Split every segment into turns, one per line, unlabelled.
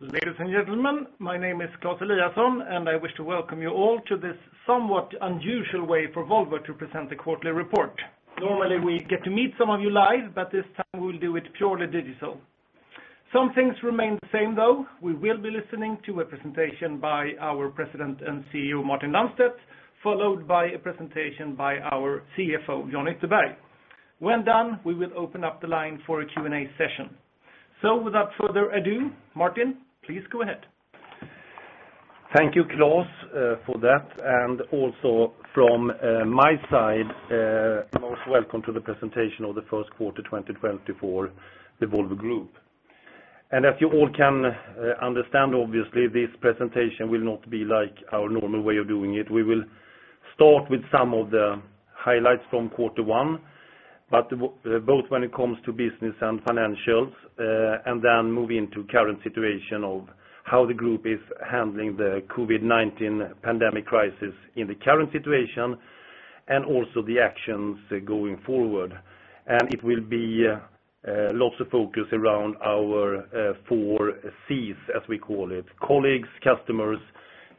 Ladies and gentlemen, my name is Claes Eliasson. I wish to welcome you all to this somewhat unusual way for Volvo to present the quarterly report. Normally we get to meet some of you live, this time we'll do it purely digital. Some things remain the same, though. We will be listening to a presentation by our President and CEO, Martin Lundstedt, followed by a presentation by our CFO, Jan Ytterberg. When done, we will open up the line for a Q&A session. Without further ado, Martin, please go ahead.
Thank you, Claes, for that. Also from my side, you're most welcome to the presentation of the first quarter 2020 for the Volvo Group. As you all can understand, obviously, this presentation will not be like our normal way of doing it. We will start with some of the highlights from quarter one, both when it comes to business and financials, then move into current situation of how the group is handling the COVID-19 pandemic crisis in the current situation, also the actions going forward. It will be lots of focus around our Four Cs, as we call it, colleagues, customers,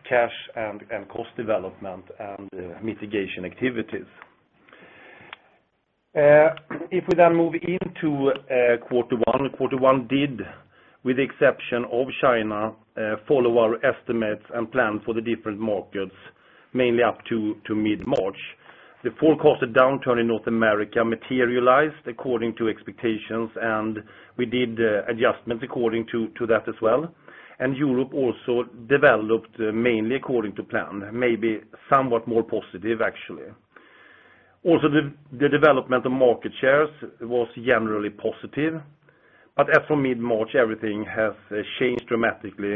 cash and cost development, and mitigation activities. If we move into quarter one. Quarter one did, with the exception of China, follow our estimates and plan for the different markets, mainly up to mid-March. The forecasted downturn in North America materialized according to expectations, and we did adjustments according to that as well. Europe also developed mainly according to plan, maybe somewhat more positive, actually. Also, the development of market shares was generally positive. As from mid-March, everything has changed dramatically.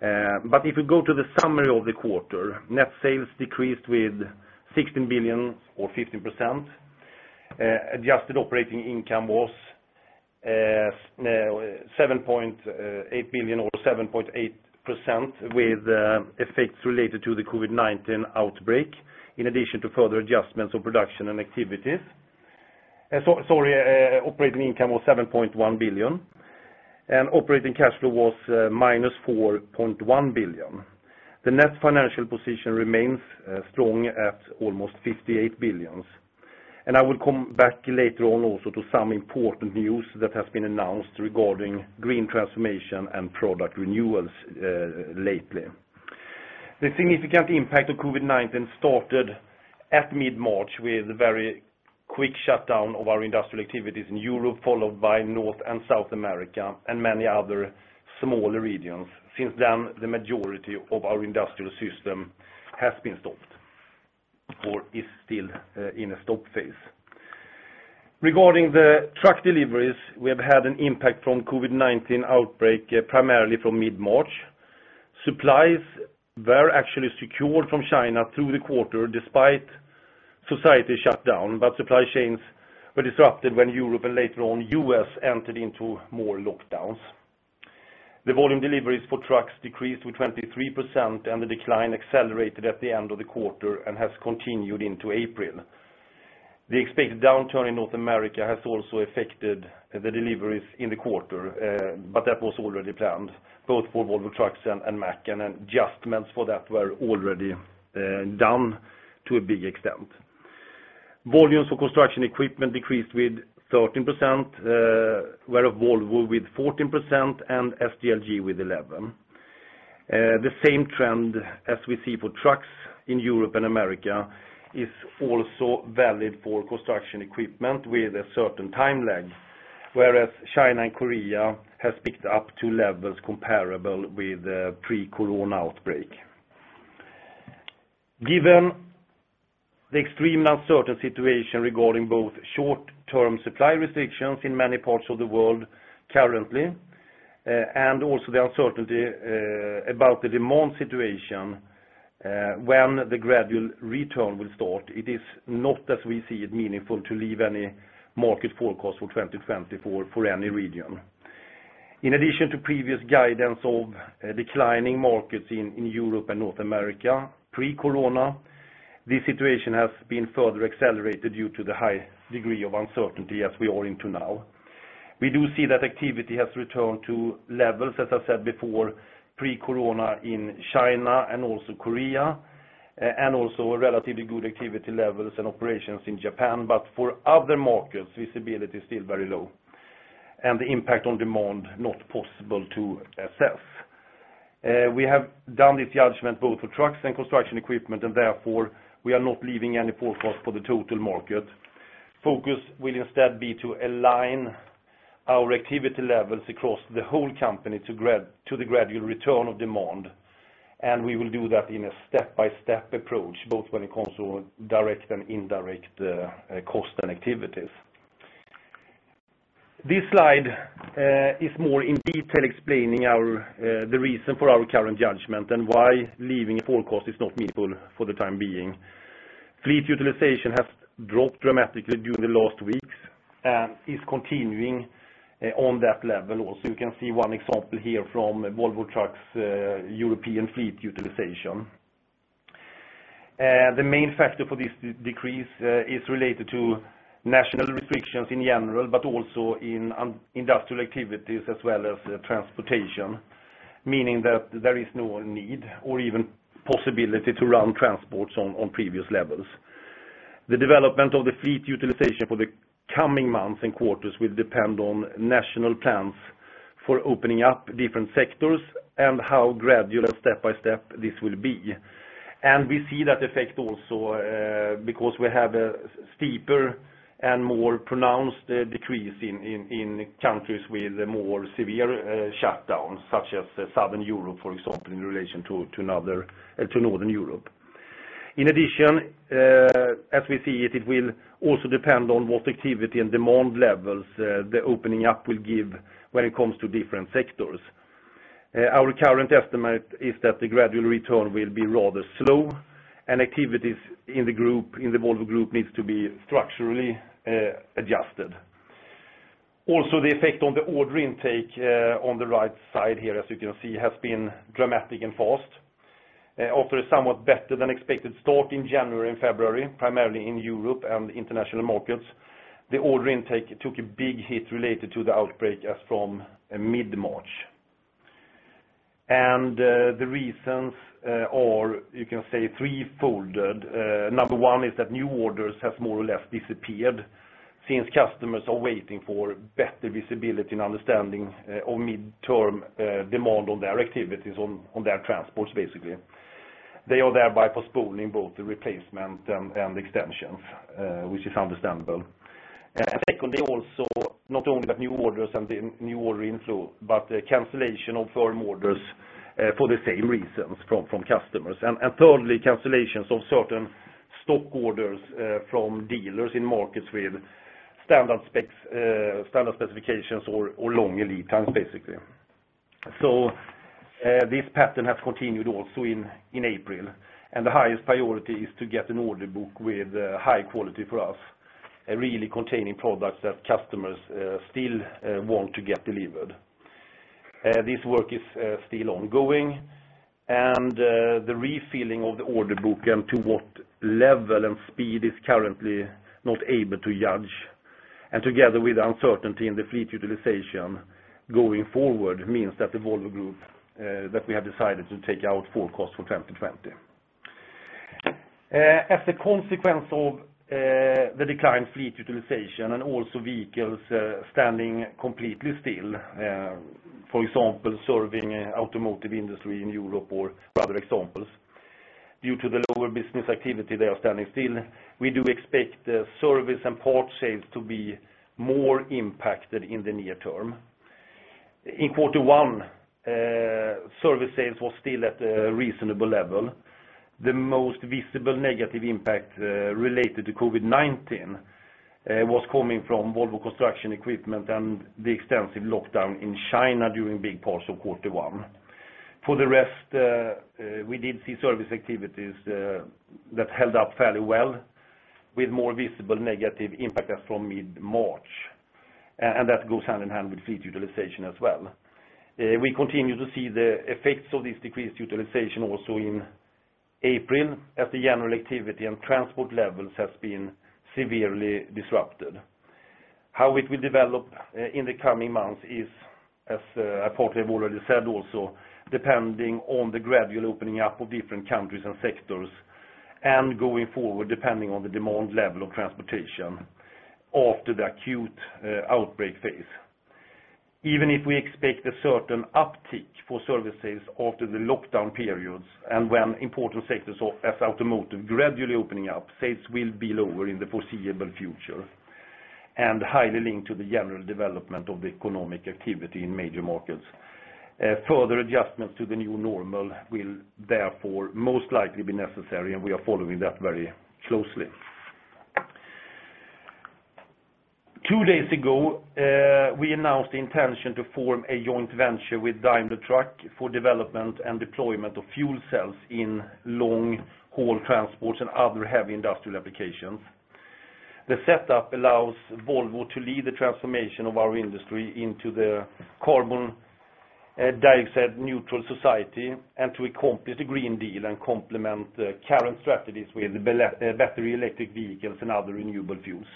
If you go to the summary of the quarter, net sales decreased with 16 billion or 15%. Adjusted operating income was 7.8 billion or 7.8% with effects related to the COVID-19 outbreak, in addition to further adjustments of production and activities. Sorry, operating income was 7.1 billion, and operating cash flow was -4.1 billion. The net financial position remains strong at almost 58 billion. I will come back later on also to some important news that has been announced regarding green transformation and product renewals lately. The significant impact of COVID-19 started at mid-March with a very quick shutdown of our industrial activities in Europe, followed by North and South America and many other smaller regions. Since then, the majority of our industrial system has been stopped or is still in a stop phase. Regarding the truck deliveries, we have had an impact from COVID-19 outbreak, primarily from mid-March. Supplies were actually secured from China through the quarter despite society shutdown, but supply chains were disrupted when Europe and later on U.S. entered into more lockdowns. The volume deliveries for trucks decreased to 23% and the decline accelerated at the end of the quarter and has continued into April. The expected downturn in North America has also affected the deliveries in the quarter, but that was already planned both for Volvo Trucks and Mack, and adjustments for that were already done to a big extent. Volumes for construction equipment decreased with 13%, whereof Volvo with 14% and SDLG with 11%. The same trend as we see for trucks in Europe and America is also valid for construction equipment with a certain time lag, whereas China and Korea has picked up to levels comparable with pre-corona outbreak. Given the extreme uncertain situation regarding both short-term supply restrictions in many parts of the world currently, and also the uncertainty about the demand situation, when the gradual return will start, it is not as we see it meaningful to leave any market forecast for 2020 for any region. In addition to previous guidance of declining markets in Europe and North America pre-corona, this situation has been further accelerated due to the high degree of uncertainty as we are into now. We do see that activity has returned to levels, as I said before, pre-corona in China and also Korea, and also a relatively good activity levels and operations in Japan. For other markets, visibility is still very low, and the impact on demand not possible to assess. We have done this judgment both for trucks and construction equipment, and therefore, we are not leaving any forecast for the total market. Focus will instead be to align our activity levels across the whole company to the gradual return of demand, and we will do that in a step-by-step approach, both when it comes to direct and indirect cost and activities. This slide is more in detail explaining the reason for our current judgment and why leaving a forecast is not meaningful for the time being. Fleet utilization has dropped dramatically during the last weeks and is continuing on that level also. You can see one example here from Volvo Trucks' European fleet utilization. The main factor for this decrease is related to national restrictions in general, but also in industrial activities as well as transportation, meaning that there is no need or even possibility to run transports on previous levels. The development of the fleet utilization for the coming months and quarters will depend on national plans for opening up different sectors and how gradual step by step this will be. We see that effect also because we have a steeper and more pronounced decrease in countries with more severe shutdowns, such as Southern Europe, for example, in relation to Northern Europe. In addition, as we see it will also depend on what activity and demand levels the opening up will give when it comes to different sectors. Our current estimate is that the gradual return will be rather slow, and activities in the Volvo Group needs to be structurally adjusted. The effect on the order intake on the right side here, as you can see, has been dramatic and fast. After a somewhat better-than-expected start in January and February, primarily in Europe and international markets, the order intake took a big hit related to the outbreak as from mid-March. The reasons are, you can say threefold. Number one is that new orders have more or less disappeared since customers are waiting for better visibility and understanding of midterm demand on their activities, on their transports, basically. They are thereby postponing both the replacement and the extensions, which is understandable. Secondly, also, not only that new orders and the new order inflow, but cancellation of firm orders for the same reasons from customers. Thirdly, cancellations of certain stock orders from dealers in markets with standard specifications or long lead times, basically. This pattern has continued also in April. The highest priority is to get an order book with high quality for us, really containing products that customers still want to get delivered. This work is still ongoing, and the refilling of the order book and to what level and speed is currently not able to judge. Together with uncertainty in the fleet utilization going forward means that the Volvo Group, that we have decided to take out forecast for 2020. As a consequence of the decline in fleet utilization and also vehicles standing completely still, for example, serving automotive industry in Europe or other examples, due to the lower business activity, they are standing still. We do expect service and part sales to be more impacted in the near term. In quarter one, service sales was still at a reasonable level. The most visible negative impact related to COVID-19 was coming from Volvo Construction Equipment and the extensive lockdown in China during big parts of quarter one. For the rest, we did see service activities that held up fairly well, with more visible negative impact as from mid-March. That goes hand in hand with fleet utilization as well. We continue to see the effects of this decreased utilization also in April, as the general activity and transport levels has been severely disrupted. How it will develop in the coming months is, as a part we have already said also, depending on the gradual opening up of different countries and sectors, and going forward, depending on the demand level of transportation after the acute outbreak phase. Even if we expect a certain uptick for services after the lockdown periods, and when important sectors as automotive gradually opening up, sales will be lower in the foreseeable future and highly linked to the general development of the economic activity in major markets. Further adjustments to the new normal will therefore most likely be necessary, and we are following that very closely. Two days ago, we announced the intention to form a joint venture with Daimler Truck for development and deployment of fuel cells in long-haul transports and other heavy industrial applications. The setup allows Volvo to lead the transformation of our industry into the carbon dioxide-neutral society and to accomplish the European Green Deal and complement current strategies with battery electric vehicles and other renewable fuels.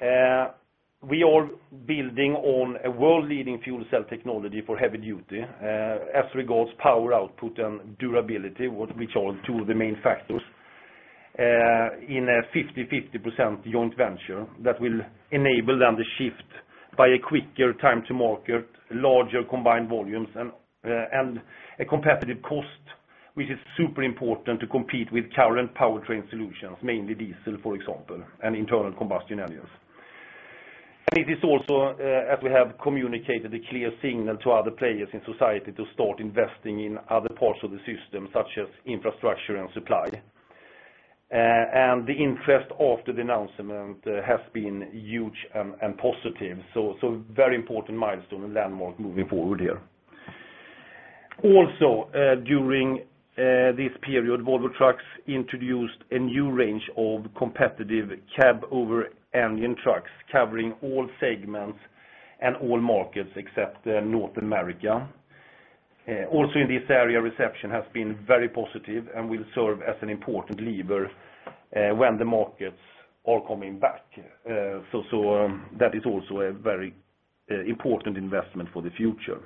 We are building on a world-leading fuel cell technology for heavy-duty as regards power output and durability, which are two of the main factors, in a 50/50 percent joint venture that will enable then the shift by a quicker time to market, larger combined volumes and a competitive cost, which is super important to compete with current powertrain solutions, mainly diesel, for example, and internal combustion engines. It is also, as we have communicated, a clear signal to other players in society to start investing in other parts of the system, such as infrastructure and supply. The interest after the announcement has been huge and positive. Very important milestone and landmark moving forward here. Also, during this period, Volvo Trucks introduced a new range of competitive cab-over-engine trucks covering all segments and all markets except North America. Also in this area, reception has been very positive and will serve as an important lever when the markets are coming back. That is also a very important investment for the future.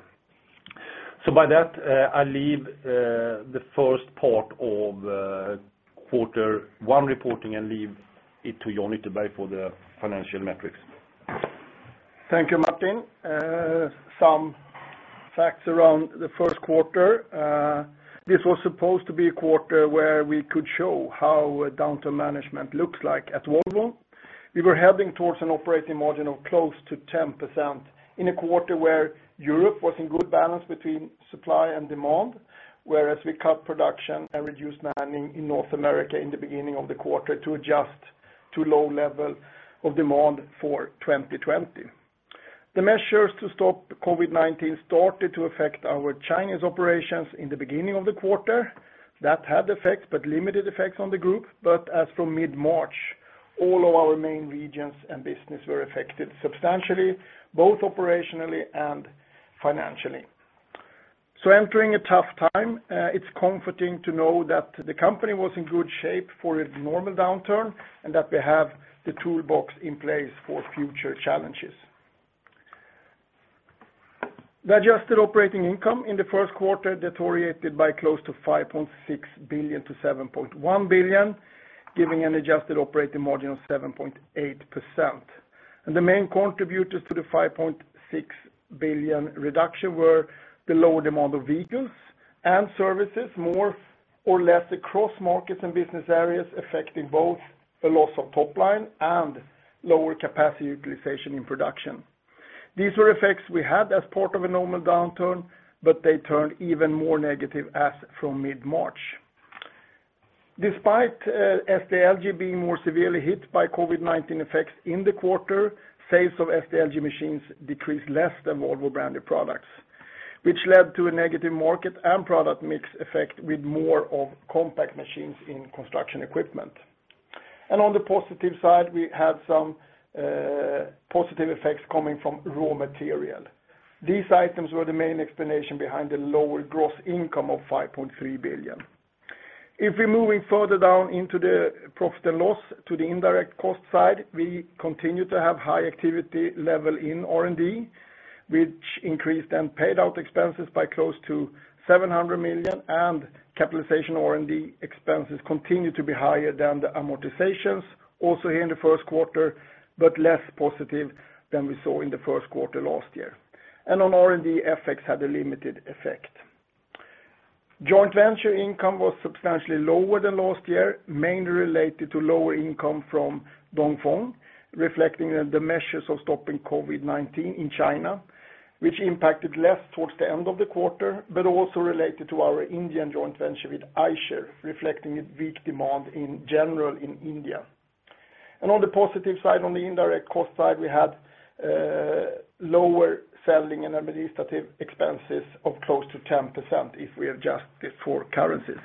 By that, I leave the first part of quarter one reporting and leave it to Jan to pay for the financial metrics.
Thank you, Martin. Some facts around the first quarter. This was supposed to be a quarter where we could show how downturn management looks like at Volvo. We were heading towards an operating margin of close to 10% in a quarter where Europe was in good balance between supply and demand, whereas we cut production and reduced manning in North America in the beginning of the quarter to adjust to low level of demand for 2020. The measures to stop COVID-19 started to affect our Chinese operations in the beginning of the quarter. That had effects, but limited effects on the group, but as from mid-March, all of our main regions and business were affected substantially, both operationally and financially. Entering a tough time, it's comforting to know that the company was in good shape for its normal downturn, and that we have the toolbox in place for future challenges. The adjusted operating income in the first quarter deteriorated by close to 5.6 billion-7.1 billion, giving an adjusted operating margin of 7.8%. The main contributors to the 5.6 billion reduction were the lower demand of vehicles and services, more or less across markets and business areas, affecting both the loss of top line and lower capacity utilization in production. These were effects we had as part of a normal downturn, but they turned even more negative as from mid-March. Despite SDLG being more severely hit by COVID-19 effects in the quarter, sales of SDLG machines decreased less than Volvo branded products, which led to a negative market and product mix effect with more of compact machines in construction equipment. On the positive side, we had some positive effects coming from raw material. These items were the main explanation behind the lower gross income of 5.3 billion. If we're moving further down into the profit and loss to the indirect cost side, we continue to have high activity level in R&D, which increased and paid out expenses by close to 700 million, and capitalization R&D expenses continue to be higher than the amortizations also here in the first quarter, but less positive than we saw in the first quarter last year. On R&D, effects had a limited effect. Joint venture income was substantially lower than last year, mainly related to lower income from Dongfeng, reflecting the measures of stopping COVID-19 in China, which impacted less towards the end of the quarter, but also related to our Indian joint venture with Eicher, reflecting weak demand in general in India. On the positive side, on the indirect cost side, we had lower selling and administrative expenses of close to 10%, if we adjust for currencies.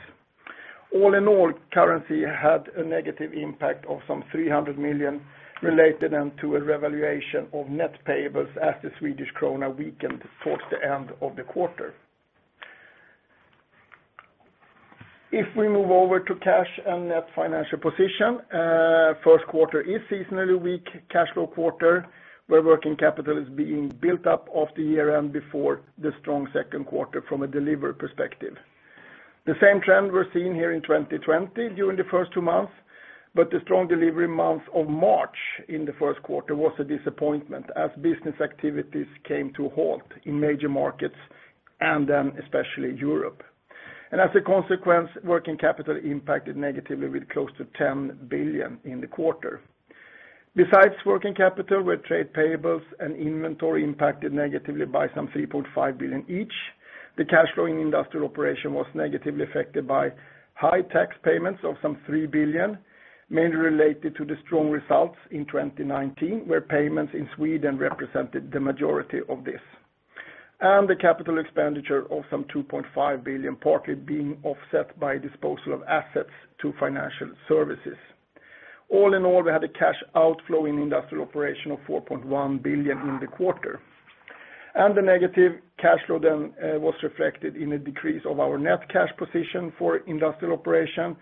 All in all, currency had a negative impact of some 300 million related then to a revaluation of net payables as the Swedish krona weakened towards the end of the quarter. If we move over to cash and net financial position, first quarter is seasonally weak cash flow quarter, where working capital is being built up off the year end before the strong second quarter from a delivery perspective. The same trend we're seeing here in 2020 during the first two months, but the strong delivery month of March in the first quarter was a disappointment as business activities came to a halt in major markets, especially Europe. As a consequence, working capital impacted negatively with close to 10 billion in the quarter. Besides working capital, where trade payables and inventory impacted negatively by some 3.5 billion each, the cash flowing industrial operation was negatively affected by high tax payments of some 3 billion, mainly related to the strong results in 2019, where payments in Sweden represented the majority of this. The CapEx of some 2.5 billion, partly being offset by disposal of assets to financial services. All in all, we had a cash outflow in industrial operation of 4.1 billion in the quarter. The negative cash flow then was reflected in a decrease of our net cash position for industrial operation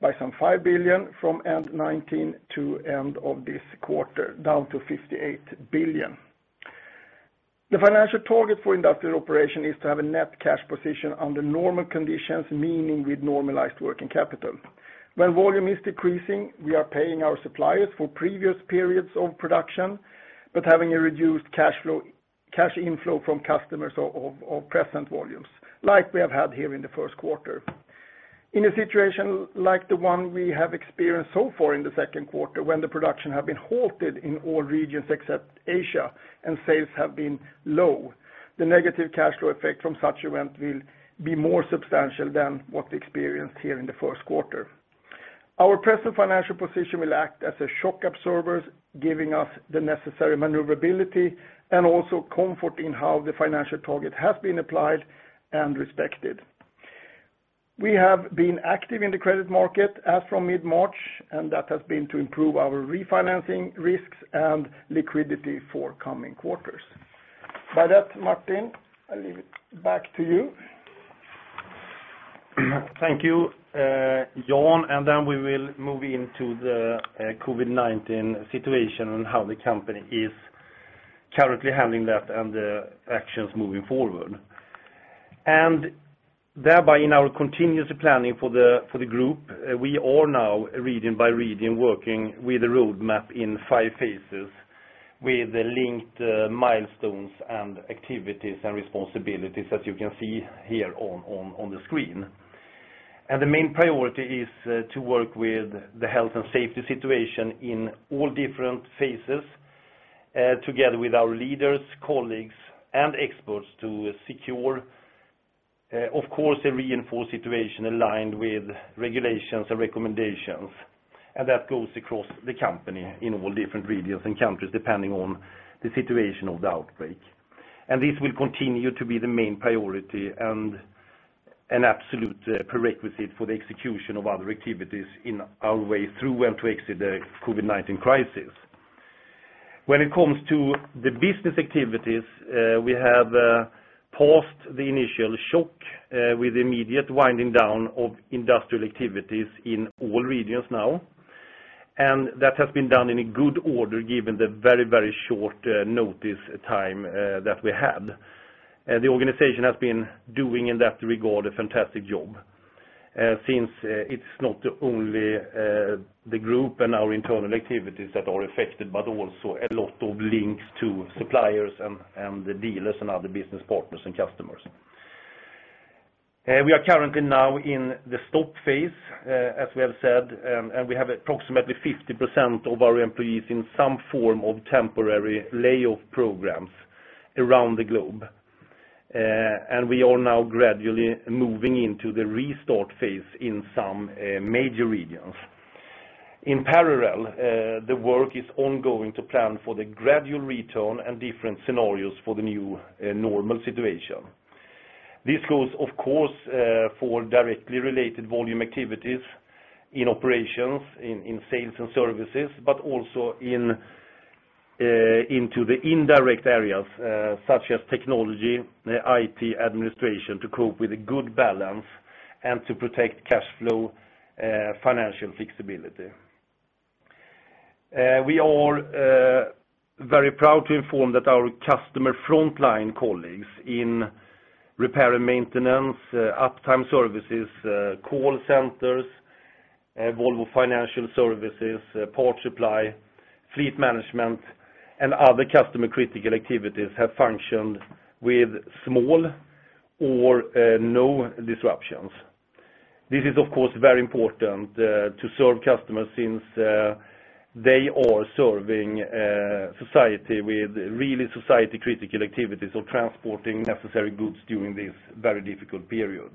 by some 5 billion from end 2019 to end of this quarter, down to 58 billion. The financial target for industrial operation is to have a net cash position under normal conditions, meaning with normalized working capital. When volume is decreasing, we are paying our suppliers for previous periods of production, but having a reduced cash inflow from customers of present volumes, like we have had here in the first quarter. In a situation like the one we have experienced so far in the second quarter, when the production have been halted in all regions except Asia and sales have been low, the negative cash flow effect from such event will be more substantial than what experienced here in the first quarter. Our present financial position will act as a shock absorber, giving us the necessary maneuverability and also comfort in how the financial target has been applied and respected. We have been active in the credit market as from mid-March, and that has been to improve our refinancing risks and liquidity for coming quarters. By that, Martin, I leave it back to you.
Thank you, Jan. We will move into the COVID-19 situation and how the company is currently handling that and the actions moving forward. In our continuous planning for the group, we are now region by region, working with a road map in five phases with the linked milestones and activities and responsibilities as you can see here on the screen. The main priority is to work with the health and safety situation in all different phases, together with our leaders, colleagues, and experts to secure, of course, a reinforced situation aligned with regulations and recommendations. That goes across the company in all different regions and countries depending on the situation of the outbreak. This will continue to be the main priority and an absolute prerequisite for the execution of other activities in our way through and to exit the COVID-19 crisis. When it comes to the business activities, we have paused the initial shock with immediate winding down of industrial activities in all regions now. That has been done in a good order, given the very short notice time that we had. The organization has been doing in that regard, a fantastic job. Since it's not only the group and our internal activities that are affected, but also a lot of links to suppliers and the dealers and other business partners and customers. We are currently now in the stop phase, as we have said, and we have approximately 50% of our employees in some form of temporary layoff programs around the globe. We are now gradually moving into the restart phase in some major regions. In parallel, the work is ongoing to plan for the gradual return and different scenarios for the new normal situation. This goes, of course, for directly related volume activities in operations, in sales and services, but also into the indirect areas, such as technology, IT, administration, to cope with a good balance and to protect cash flow, financial flexibility. We are very proud to inform that our customer frontline colleagues in repair and maintenance, uptime services, call centers, Volvo Financial Services, parts supply, fleet management, and other customer-critical activities have functioned with small or no disruptions. This is, of course, very important to serve customers since they are serving society with really society-critical activities or transporting necessary goods during this very difficult period.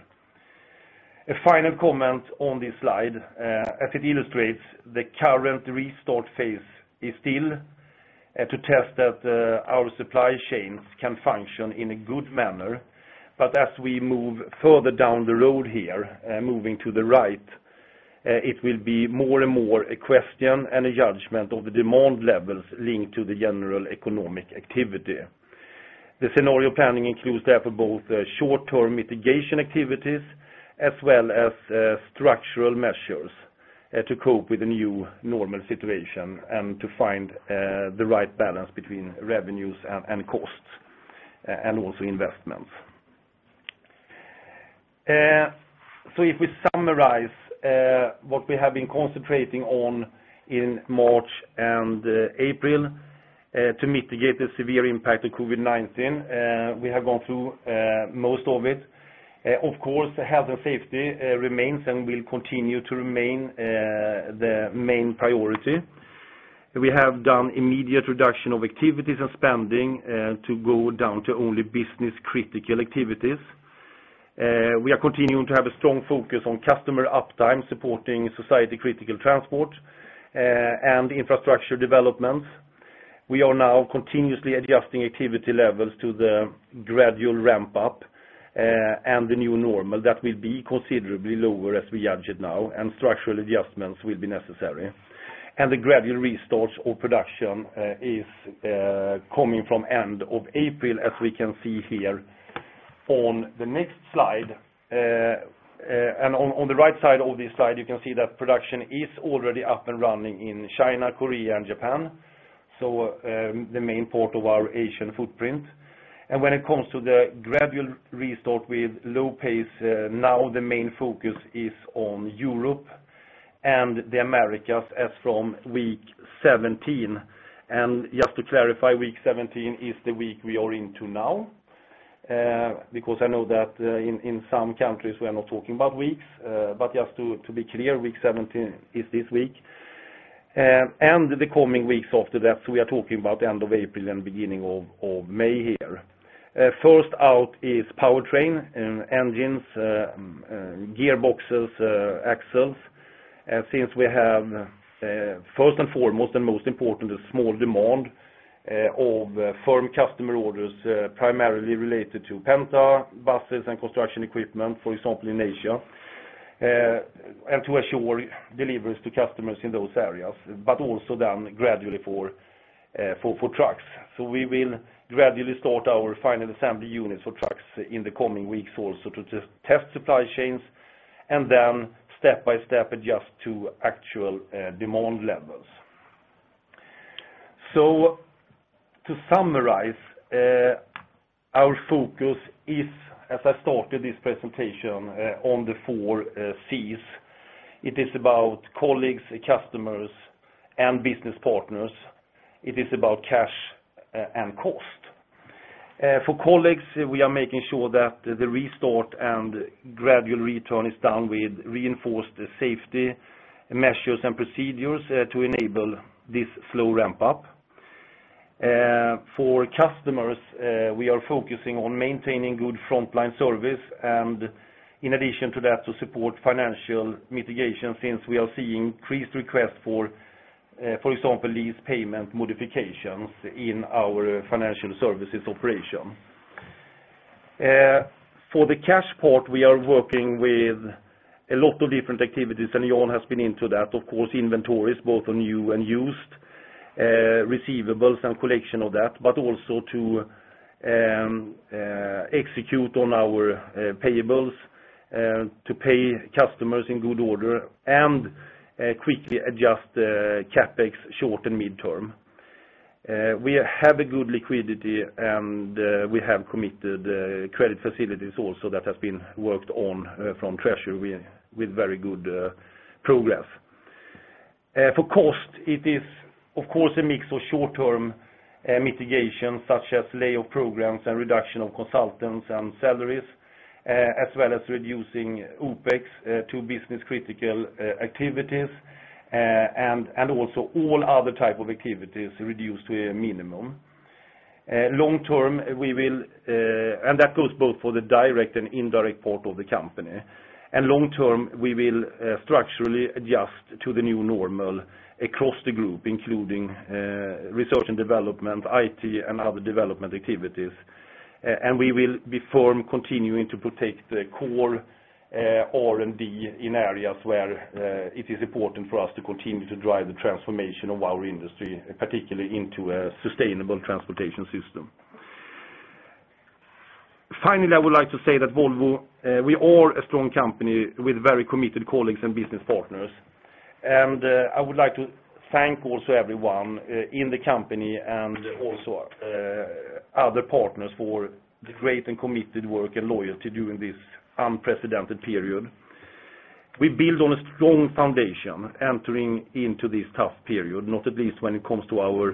A final comment on this slide, as it illustrates, the current restart phase is still to test that our supply chains can function in a good manner. As we move further down the road here, moving to the right, it will be more and more a question and a judgment of the demand levels linked to the general economic activity. The scenario planning includes therefore both short-term mitigation activities as well as structural measures to cope with the new normal situation and to find the right balance between revenues and costs, and also investments. If we summarize what we have been concentrating on in March and April to mitigate the severe impact of COVID-19, we have gone through most of it. Of course, health and safety remains and will continue to remain the main priority. We have done immediate reduction of activities and spending to go down to only business-critical activities. We are continuing to have a strong focus on customer uptime, supporting society-critical transport, and infrastructure developments. We are now continuously adjusting activity levels to the gradual ramp-up and the new normal that will be considerably lower as we judge it now, and structural adjustments will be necessary. The gradual restarts of production is coming from end of April, as we can see here on the next slide. On the right side of this slide, you can see that production is already up and running in China, Korea, and Japan. The main part of our Asian footprint. When it comes to the gradual restart with low pace, now the main focus is on Europe and the Americas as from week 17. Just to clarify, week 17 is the week we are into now, because I know that in some countries, we are not talking about weeks. Just to be clear, week 17 is this week and the coming weeks after that, so we are talking about end of April and beginning of May here. First out is powertrain, engines, gearboxes, axles. We have, first and foremost, and most importantly, small demand of firm customer orders, primarily related to Penta, buses, and construction equipment, for example, in Asia, and to assure deliveries to customers in those areas, but also then gradually for trucks. We will gradually start our final assembly units for trucks in the coming weeks also to test supply chains and then step by step adjust to actual demand levels. To summarize, our focus is, as I started this presentation, on the Four Cs. It is about colleagues, customers, and business partners. It is about cash and cost. For colleagues, we are making sure that the restart and gradual return is done with reinforced safety measures and procedures to enable this slow ramp-up. For customers, we are focusing on maintaining good frontline service and in addition to that, to support financial mitigation since we are seeing increased requests for example, lease payment modifications in our financial services operation. For the cash part, we are working with a lot of different activities, and Jan has been into that. Of course, inventories, both on new and used, receivables and collection of that, but also to execute on our payables to pay customers in good order and quickly adjust the CapEx short and midterm. We have a good liquidity and we have committed credit facilities also that has been worked on from treasury with very good progress. For cost, it is of course a mix of short-term mitigation such as layoff programs and reduction of consultants and salaries, as well as reducing OPEX to business critical activities, also all other type of activities reduced to a minimum. That goes both for the direct and indirect part of the company. Long term, we will structurally adjust to the new normal across the group, including research and development, IT, and other development activities. We will be firm continuing to protect the core R&D in areas where it is important for us to continue to drive the transformation of our industry, particularly into a sustainable transportation system. Finally, I would like to say that Volvo, we are a strong company with very committed colleagues and business partners. I would like to thank also everyone in the company and also other partners for the great and committed work and loyalty during this unprecedented period. We build on a strong foundation entering into this tough period, not at least when it comes to our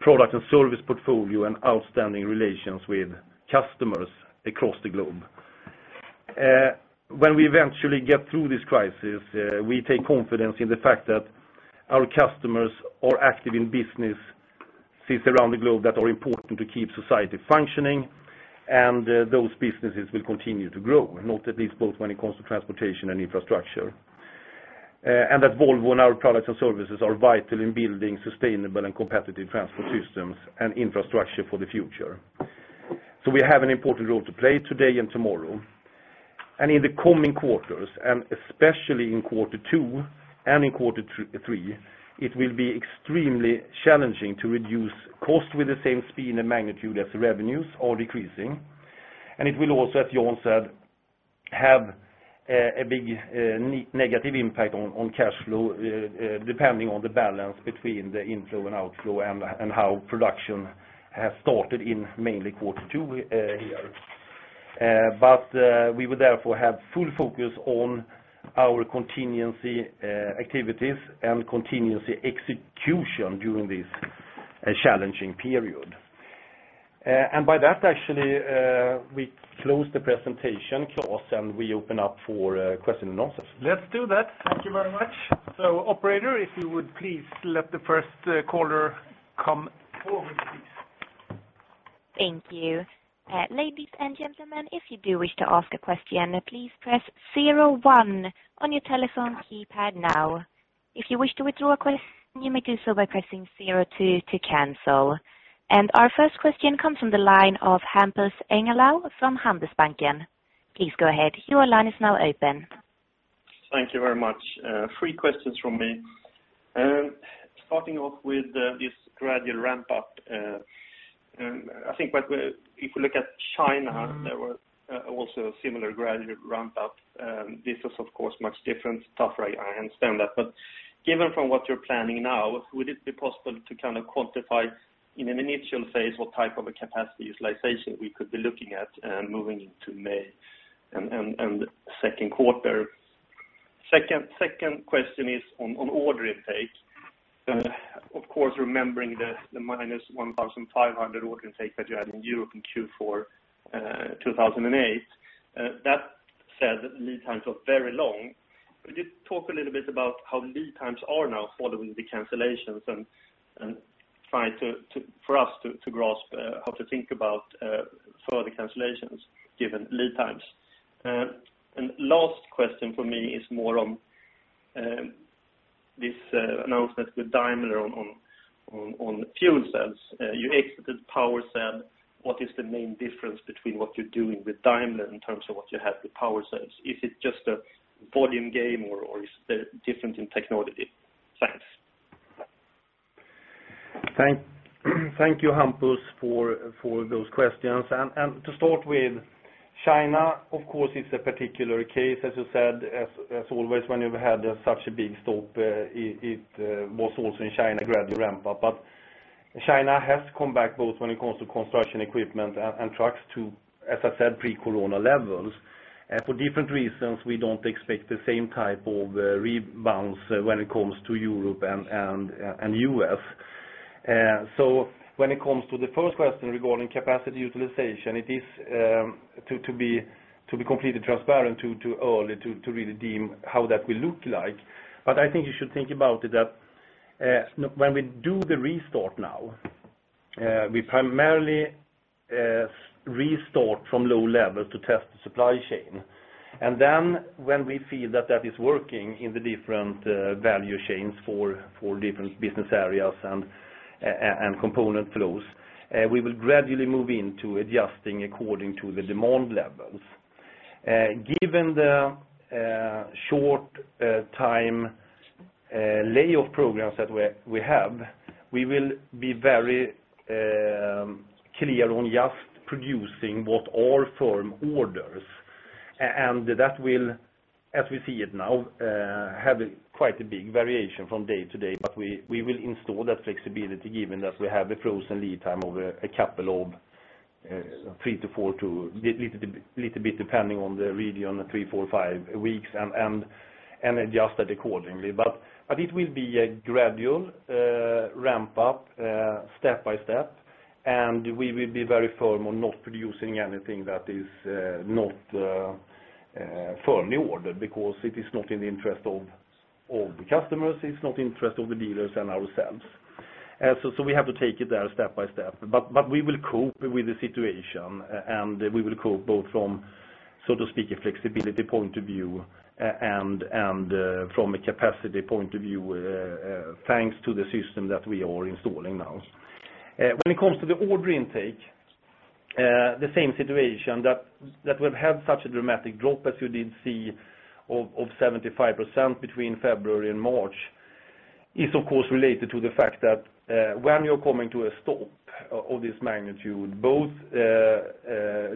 product and service portfolio and outstanding relations with customers across the globe. When we eventually get through this crisis, we take confidence in the fact that our customers are active in businesses around the globe that are important to keep society functioning, and those businesses will continue to grow, not at least both when it comes to transportation and infrastructure. That Volvo and our products and services are vital in building sustainable and competitive transport systems and infrastructure for the future. We have an important role to play today and tomorrow. In the coming quarters, and especially in quarter two and in quarter three, it will be extremely challenging to reduce costs with the same speed and magnitude as revenues are decreasing. It will also, as Jan said, have a big negative impact on cash flow, depending on the balance between the inflow and outflow and how production has started in mainly quarter two here. We will therefore have full focus on our contingency activities and contingency execution during this challenging period. By that, actually, we close the presentation, Claes, and we open up for question and answers.
Let's do that. Thank you very much. Operator, if you would please let the first caller come forward, please.
Thank you. Our first question comes from the line of Hampus Engellau from Handelsbanken. Please go ahead. Your line is now open.
Thank you very much. Three questions from me. Starting off with this gradual ramp-up. I think if you look at China, there was also a similar gradual ramp-up. This was, of course, much different, tougher, I understand that. Given from what you're planning now, would it be possible to kind of quantify in an initial phase what type of a capacity utilization we could be looking at moving into May and second quarter? Second question is on order intake. Of course, remembering the -1,500 order intake that you had in Europe in Q4 2008. That said, lead times are very long. Could you talk a little bit about how lead times are now following the cancellations and trying for us to grasp how to think about further cancellations given lead times. Last question for me is more on this announcement with Daimler on fuel cells. You exited PowerCell. What is the main difference between what you're doing with Daimler in terms of what you have with PowerCell? Is it just a volume game or is there difference in technology? Thanks.
Thank you, Hampus, for those questions. To start with China, of course, it's a particular case, as you said, as always, when you've had such a big stop, it was also in China gradual ramp-up. China has come back both when it comes to construction equipment and trucks to, as I said, pre-corona levels. For different reasons, we don't expect the same type of bounce when it comes to Europe and U.S. When it comes to the first question regarding capacity utilization, it is, to be completely transparent, too early to really deem how that will look like. I think you should think about it that when we do the restart now, we primarily restart from low levels to test the supply chain. When we feel that that is working in the different value chains for different business areas and component flows, we will gradually move into adjusting according to the demand levels. Given the short time layoff programs that we have, we will be very clear on just producing what are firm orders. That will, as we see it now, have quite a big variation from day to day. But we will install that flexibility given that we have a frozen lead time of a couple of three to four to, little bit depending on the region, three, four, five weeks and adjust it accordingly. It will be a gradual ramp-up step by step. We will be very firm on not producing anything that is not firmly ordered because it is not in the interest of the customers, it's not in interest of the dealers and ourselves. We have to take it there step by step, but we will cope with the situation, and we will cope both from, so to speak, a flexibility point of view and from a capacity point of view, thanks to the system that we are installing now. When it comes to the order intake, the same situation that we've had such a dramatic drop as you did see of 75% between February and March, is of course related to the fact that when you're coming to a stop of this magnitude, both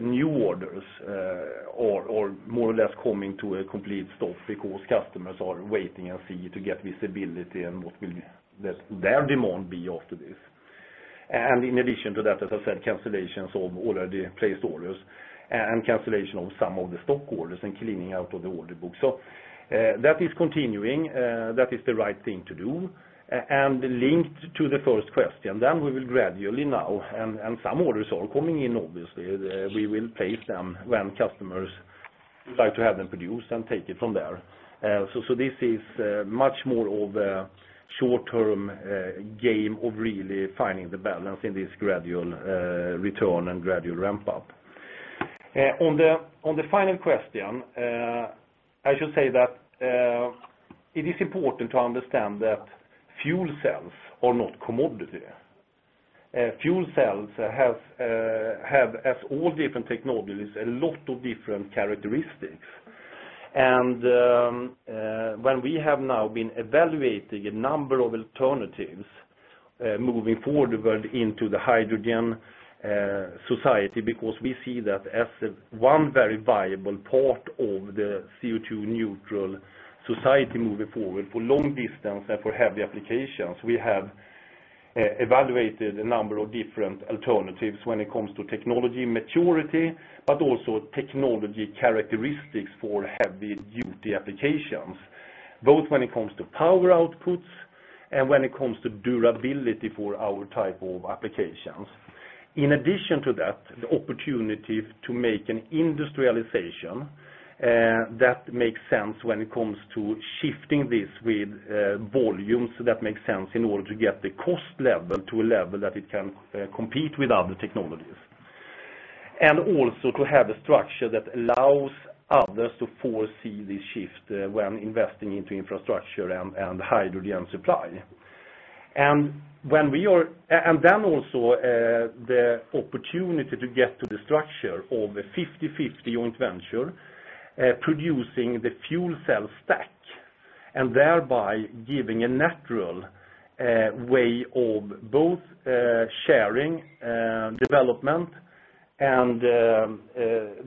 new orders are more or less coming to a complete stop because customers are waiting and see to get visibility on what will their demand be after this. In addition to that, as I said, cancellations of already placed orders and cancellation of some of the stock orders and cleaning out of the order book. That is continuing. That is the right thing to do. Linked to the first question, then we will gradually now, and some orders are coming in, obviously, we will place them when customers would like to have them produced and take it from there. This is much more of a short-term game of really finding the balance in this gradual return and gradual ramp up. On the final question, I should say that it is important to understand that fuel cells are not commodity. Fuel cells have, as all different technologies, a lot of different characteristics. When we have now been evaluating a number of alternatives, moving forward into the hydrogen society, because we see that as one very viable part of the CO2 neutral society moving forward for long distance and for heavy applications. We have evaluated a number of different alternatives when it comes to technology maturity, but also technology characteristics for heavy-duty applications, both when it comes to power outputs and when it comes to durability for our type of applications. In addition to that, the opportunity to make an industrialization that makes sense when it comes to shifting this with volumes that make sense in order to get the cost level to a level that it can compete with other technologies. Also to have a structure that allows others to foresee this shift when investing into infrastructure and hydrogen supply. Also the opportunity to get to the structure of a 50/50 joint venture producing the fuel cell stack, thereby giving a natural way of both sharing development and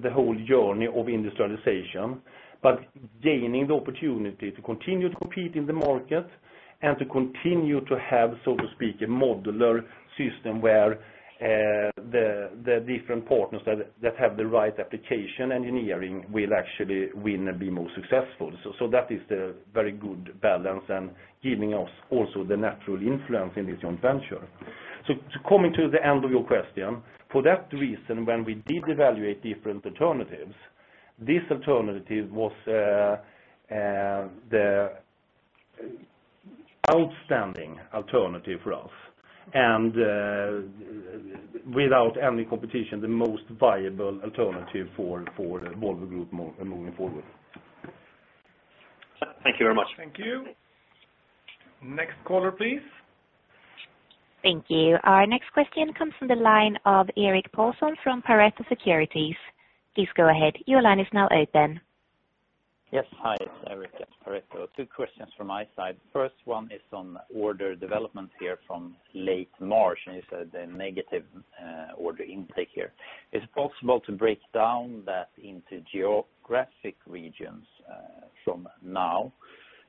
the whole journey of industrialization, but gaining the opportunity to continue to compete in the market and to continue to have, so to speak, a modular system where the different partners that have the right application engineering will actually win and be most successful. That is the very good balance and giving us also the natural influence in this joint venture. Coming to the end of your question. For that reason, when we did evaluate different alternatives. This alternative was the outstanding alternative for us, and without any competition, the most viable alternative for the Volvo Group moving forward.
Thank you very much.
Thank you. Next caller, please.
Thank you. Our next question comes from the line of Erik Paulsson from Pareto Securities. Please go ahead. Your line is now open.
Yes. Hi, it's Erik at Pareto. Two questions from my side. First one is on order development here from late March. You said the negative order intake here. Is it possible to break down that into geographic regions from now?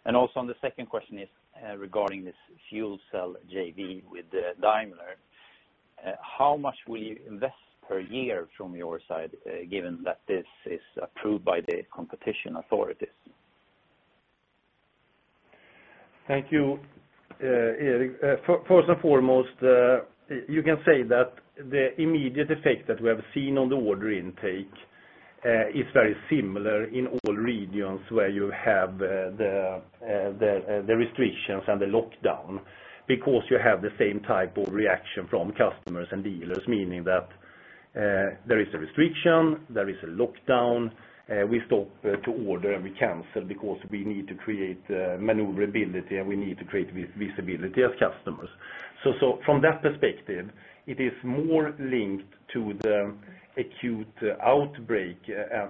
The second question is regarding this fuel cell JV with Daimler. How much will you invest per year from your side, given that this is approved by the competition authorities?
Thank you, Erik. First and foremost, you can say that the immediate effect that we have seen on the order intake is very similar in all regions where you have the restrictions and the lockdown because you have the same type of reaction from customers and dealers, meaning that there is a restriction, there is a lockdown. We stop to order, and we cancel because we need to create maneuverability, and we need to create visibility as customers. From that perspective, it is more linked to the acute outbreak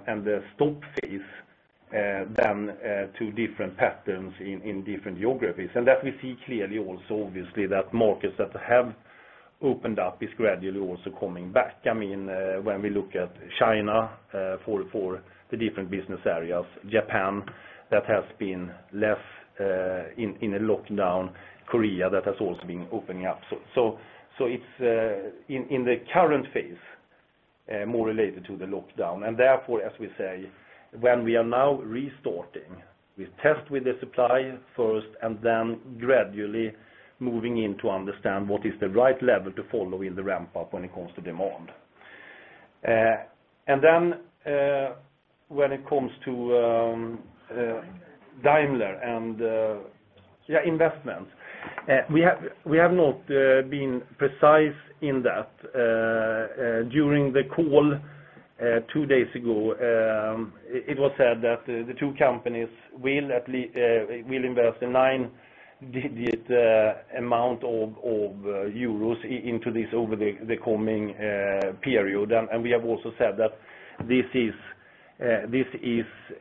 and the stop phase than to different patterns in different geographies. That we see clearly also, obviously, that markets that have opened up are gradually also coming back. When we look at China for the different business areas, Japan that has been less in a lockdown, Korea that has also been opening up. It's in the current phase, more related to the lockdown. Therefore, as we say, when we are now restarting, we test with the supplier first and then gradually moving in to understand what is the right level to follow in the ramp-up when it comes to demand. Then when it comes to Daimler and investment, we have not been precise in that. During the call two days ago, it was said that the two companies will invest a nine-digit amount of euros into this over the coming period. We have also said that this is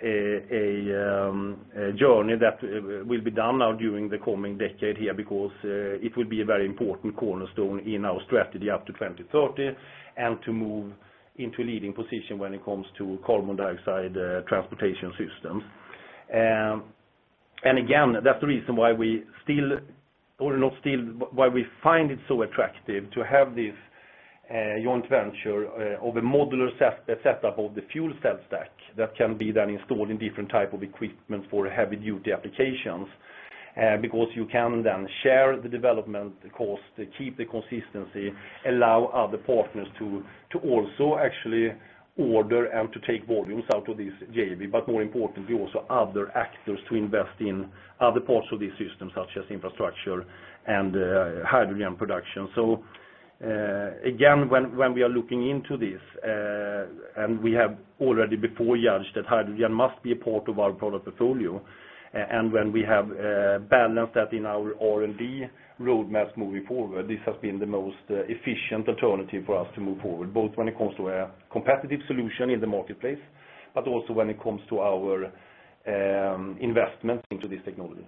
a journey that will be done now during the coming decade here because it will be a very important cornerstone in our strategy up to 2030 and to move into a leading position when it comes to carbon dioxide transportation systems. Again, that's the reason why we find it so attractive to have this joint venture of a modular setup of the fuel cell stack that can be then installed in different type of equipment for heavy-duty applications, because you can then share the development cost, keep the consistency, allow other partners to also actually order and to take volumes out of this JV, but more importantly, also other actors to invest in other parts of this system, such as infrastructure and hydrogen production. Again, when we are looking into this, and we have already before judged that hydrogen must be a part of our product portfolio, and when we have balanced that in our R&D roadmaps moving forward, this has been the most efficient alternative for us to move forward, both when it comes to a competitive solution in the marketplace, but also when it comes to our investment into this technology.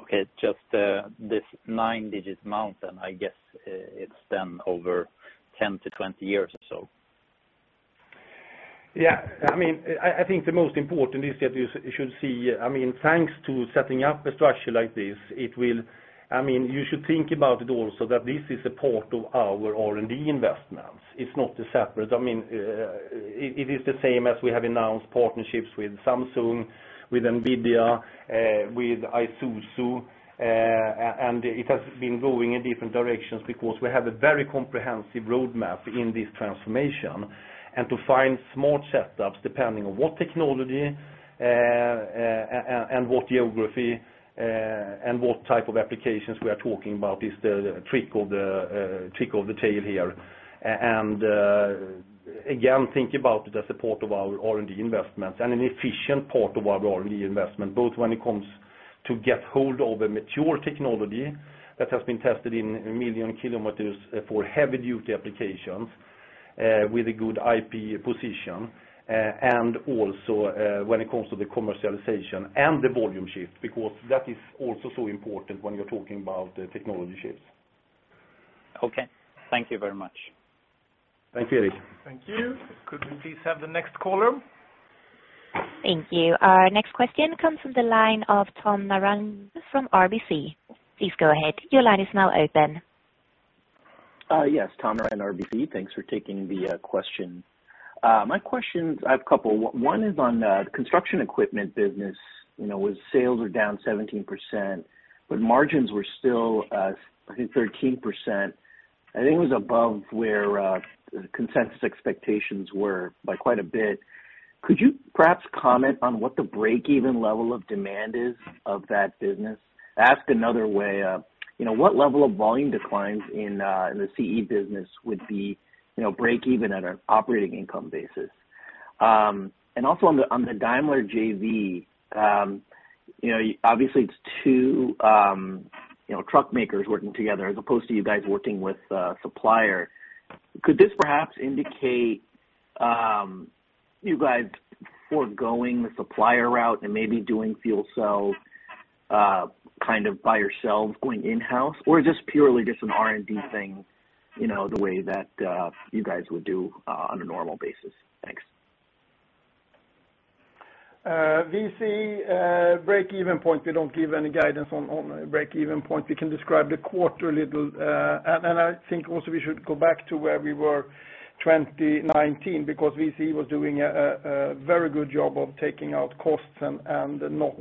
Okay. Just this nine-digit amount, then I guess it's then over 10 years-20 years or so.
Yeah. I think the most important is that you should see, thanks to setting up a structure like this, you should think about it also that this is a part of our R&D investments. It's not separate. It is the same as we have announced partnerships with Samsung, with NVIDIA, with Isuzu. It has been going in different directions because we have a very comprehensive roadmap in this transformation. To find small setups depending on what technology and what geography, and what type of applications we are talking about is the trick of the tail here. Again, think about it as a part of our R&D investments and an efficient part of our R&D investment, both when it comes to get hold of a mature technology that has been tested in 1 million km for heavy-duty applications with a good IP position, and also when it comes to the commercialization and the volume shift, because that is also so important when you're talking about technology shifts.
Okay. Thank you very much.
Thanks, Erik.
Thank you. Could we please have the next caller?
Thank you. Our next question comes from the line of Tom Narayan from RBC. Please go ahead. Your line is now open.
Yes, Tom Narayan, RBC. Thanks for taking the question. My questions, I have a couple. One is on the construction equipment business, where sales are down 17%, but margins were still, I think 13%. I think it was above where the consensus expectations were by quite a bit. Could you perhaps comment on what the break-even level of demand is of that business? Asked another way, what level of volume declines in the CE business would be break-even at an operating income basis? Also on the Daimler JV, obviously it's two truck makers working together as opposed to you guys working with a supplier. Could this perhaps indicate you guys foregoing the supplier route and maybe doing fuel cells by yourselves going in-house? Or just purely just an R&D thing, the way that you guys would do on a normal basis? Thanks.
VCE break-even point, we don't give any guidance on break-even point. We can describe the quarter a little. I think also we should go back to where we were 2019, because VCE was doing a very good job of taking out costs and not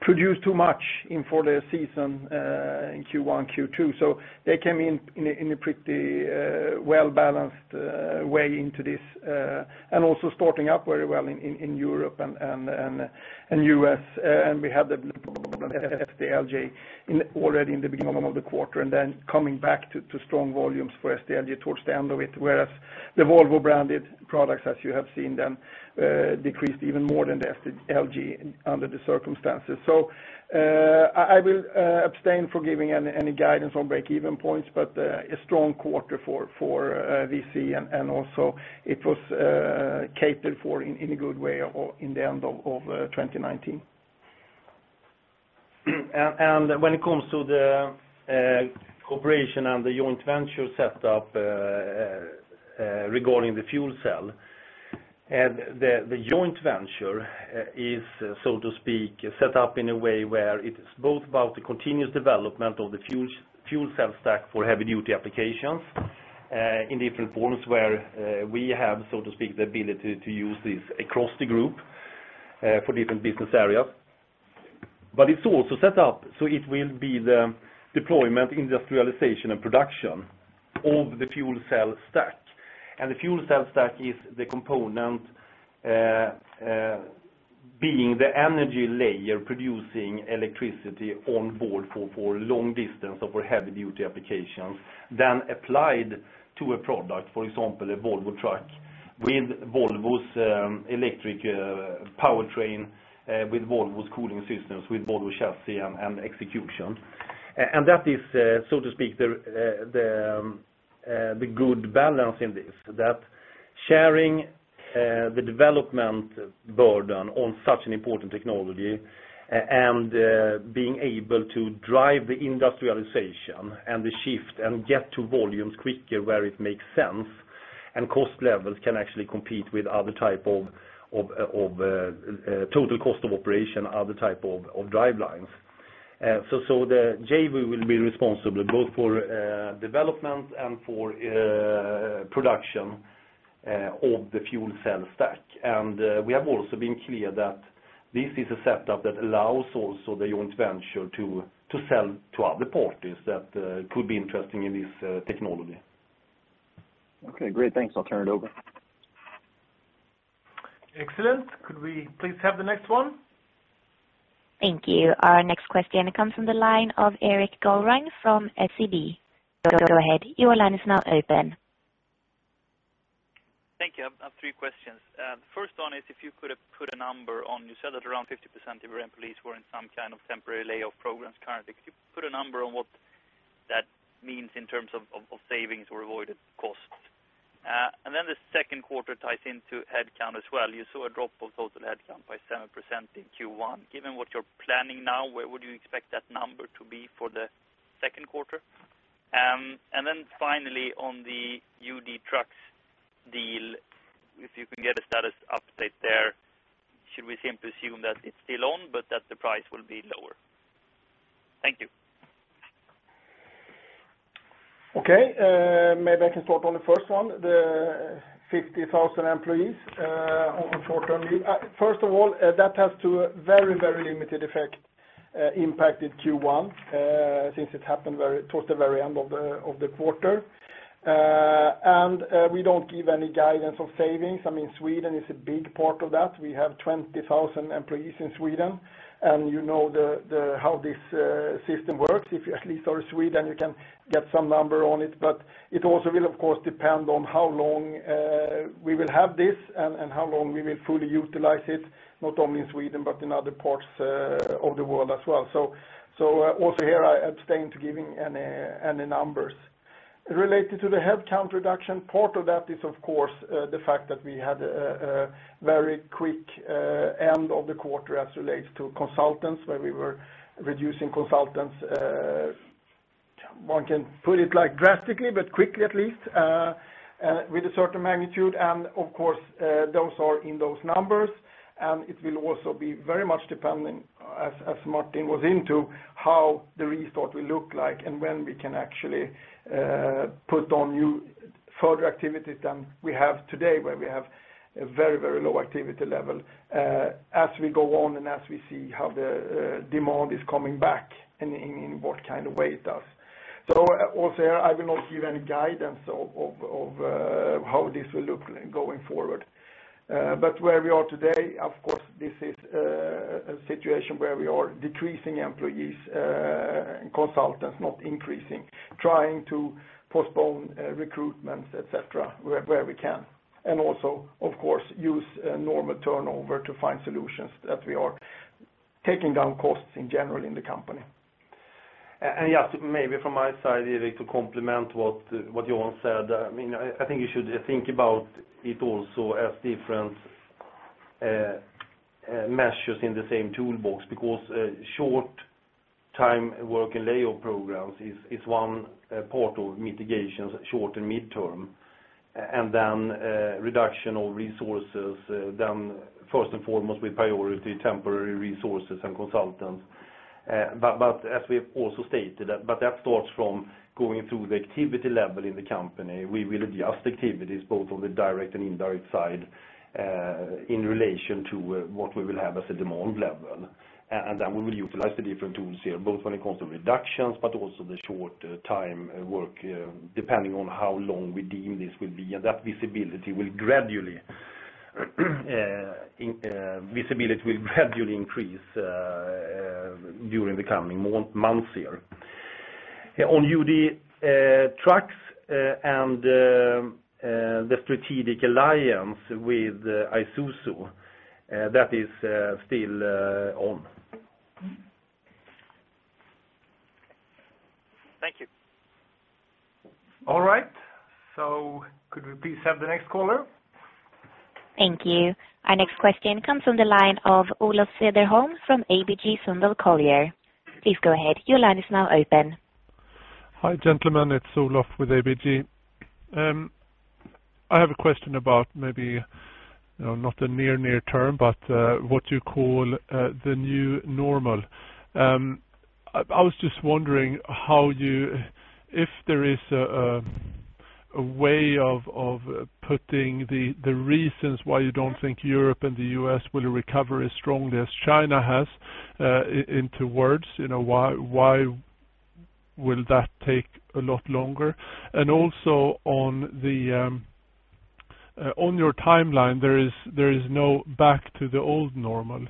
produce too much in for their season in Q1, Q2. They came in a pretty well-balanced way into this, also starting up very well in Europe and U.S. We have the SDLG already in the beginning of the quarter, then coming back to strong volumes for SDLG towards the end of it, whereas the Volvo-branded products, as you have seen them, decreased even more than the SDLG under the circumstances. I will abstain from giving any guidance on break-even points, but a strong quarter for VCE, and also it was catered for in a good way in the end of 2019.
When it comes to the cooperation and the joint venture set up regarding the fuel cell. The joint venture is, so to speak, set up in a way where it is both about the continuous development of the fuel cell stack for heavy-duty applications in different forms where we have, so to speak, the ability to use this across the Group for different business areas. It's also set up so it will be the deployment, industrialization, and production of the fuel cell stack. The fuel cell stack is the component being the energy layer producing electricity on board for long distance of our heavy-duty applications, then applied to a product. For example, a Volvo truck with Volvo's electric powertrain, with Volvo's cooling systems, with Volvo chassis and execution. That is, so to speak, the good balance in this. Sharing the development burden on such an important technology and being able to drive the industrialization and the shift and get to volumes quicker where it makes sense, and cost levels can actually compete with other type of total cost of operation, other type of drivelines. The JV will be responsible both for development and for production of the fuel cell stack. We have also been clear that this is a setup that allows also the joint venture to sell to other parties that could be interested in this technology.
Okay, great. Thanks. I'll turn it over.
Excellent. Could we please have the next one?
Thank you. Our next question comes from the line of Erik Golrang from SEB. Go ahead, your line is now open.
Thank you. I have three questions. First one is if you could put a number on, you said that around 50% of your employees were in some kind of temporary layoff programs currently. Could you put a number on what that means in terms of savings or avoided costs? The second quarter ties into headcount as well. You saw a drop of total headcount by 7% in Q1. Given what you're planning now, where would you expect that number to be for the second quarter? Finally on the UD Trucks deal, if you can get a status update there, should we simply assume that it's still on but that the price will be lower? Thank you.
Okay. Maybe I can start on the first one, the 50,000 employees on short-term leave. First of all, that has to very limited effect impacted Q1, since it happened towards the very end of the quarter. We don't give any guidance on savings. Sweden is a big part of that. We have 20,000 employees in Sweden, and you know how this system works. If you at least are Swedish, you can get some number on it, but it also will, of course, depend on how long we will have this and how long we will fully utilize it, not only in Sweden but in other parts of the world as well. Also here, I abstain to giving any numbers. Related to the headcount reduction, part of that is, of course, the fact that we had a very quick end of the quarter as relates to consultants, where we were reducing consultants, one can put it like drastically, but quickly at least, with a certain magnitude. Of course, those are in those numbers, and it will also be very much dependent, as Martin was into, how the restart will look like and when we can actually put on new. Further activities than we have today, where we have a very low activity level, as we go on and as we see how the demand is coming back and in what kind of way it does. Also here, I will not give any guidance of how this will look going forward. Where we are today, of course, this is a situation where we are decreasing employees, consultants, not increasing, trying to postpone recruitments, et cetera, where we can. Also, of course, use normal turnover to find solutions that we are taking down costs in general in the company.
Just maybe from my side, to complement what Jan said. I think you should think about it also as different measures in the same toolbox, because short time work and layoff programs is one part of mitigations short and mid-term. Then reduction of resources, then first and foremost with priority temporary resources and consultants. As we have also stated, that starts from going through the activity level in the company. We will adjust activities both on the direct and indirect side, in relation to what we will have as a demand level. Then we will utilize the different tools here, both when it comes to reductions, but also the short time work, depending on how long we deem this will be. That visibility will gradually increase during the coming months here. On UD Trucks and the strategic alliance with Isuzu, that is still on.
Thank you.
All right. Could we please have the next caller?
Thank you. Our next question comes from the line of Olof Cederholm from ABG Sundal Collier. Please go ahead. Your line is now open.
Hi, gentlemen. It's Olof with ABG. I have a question about maybe, not the near term, but what you call the new normal. I was just wondering if there is a way of putting the reasons why you don't think Europe and the U.S. will recover as strongly as China has into words. Why will that take a lot longer? Also on your timeline, there is no back to the old normal.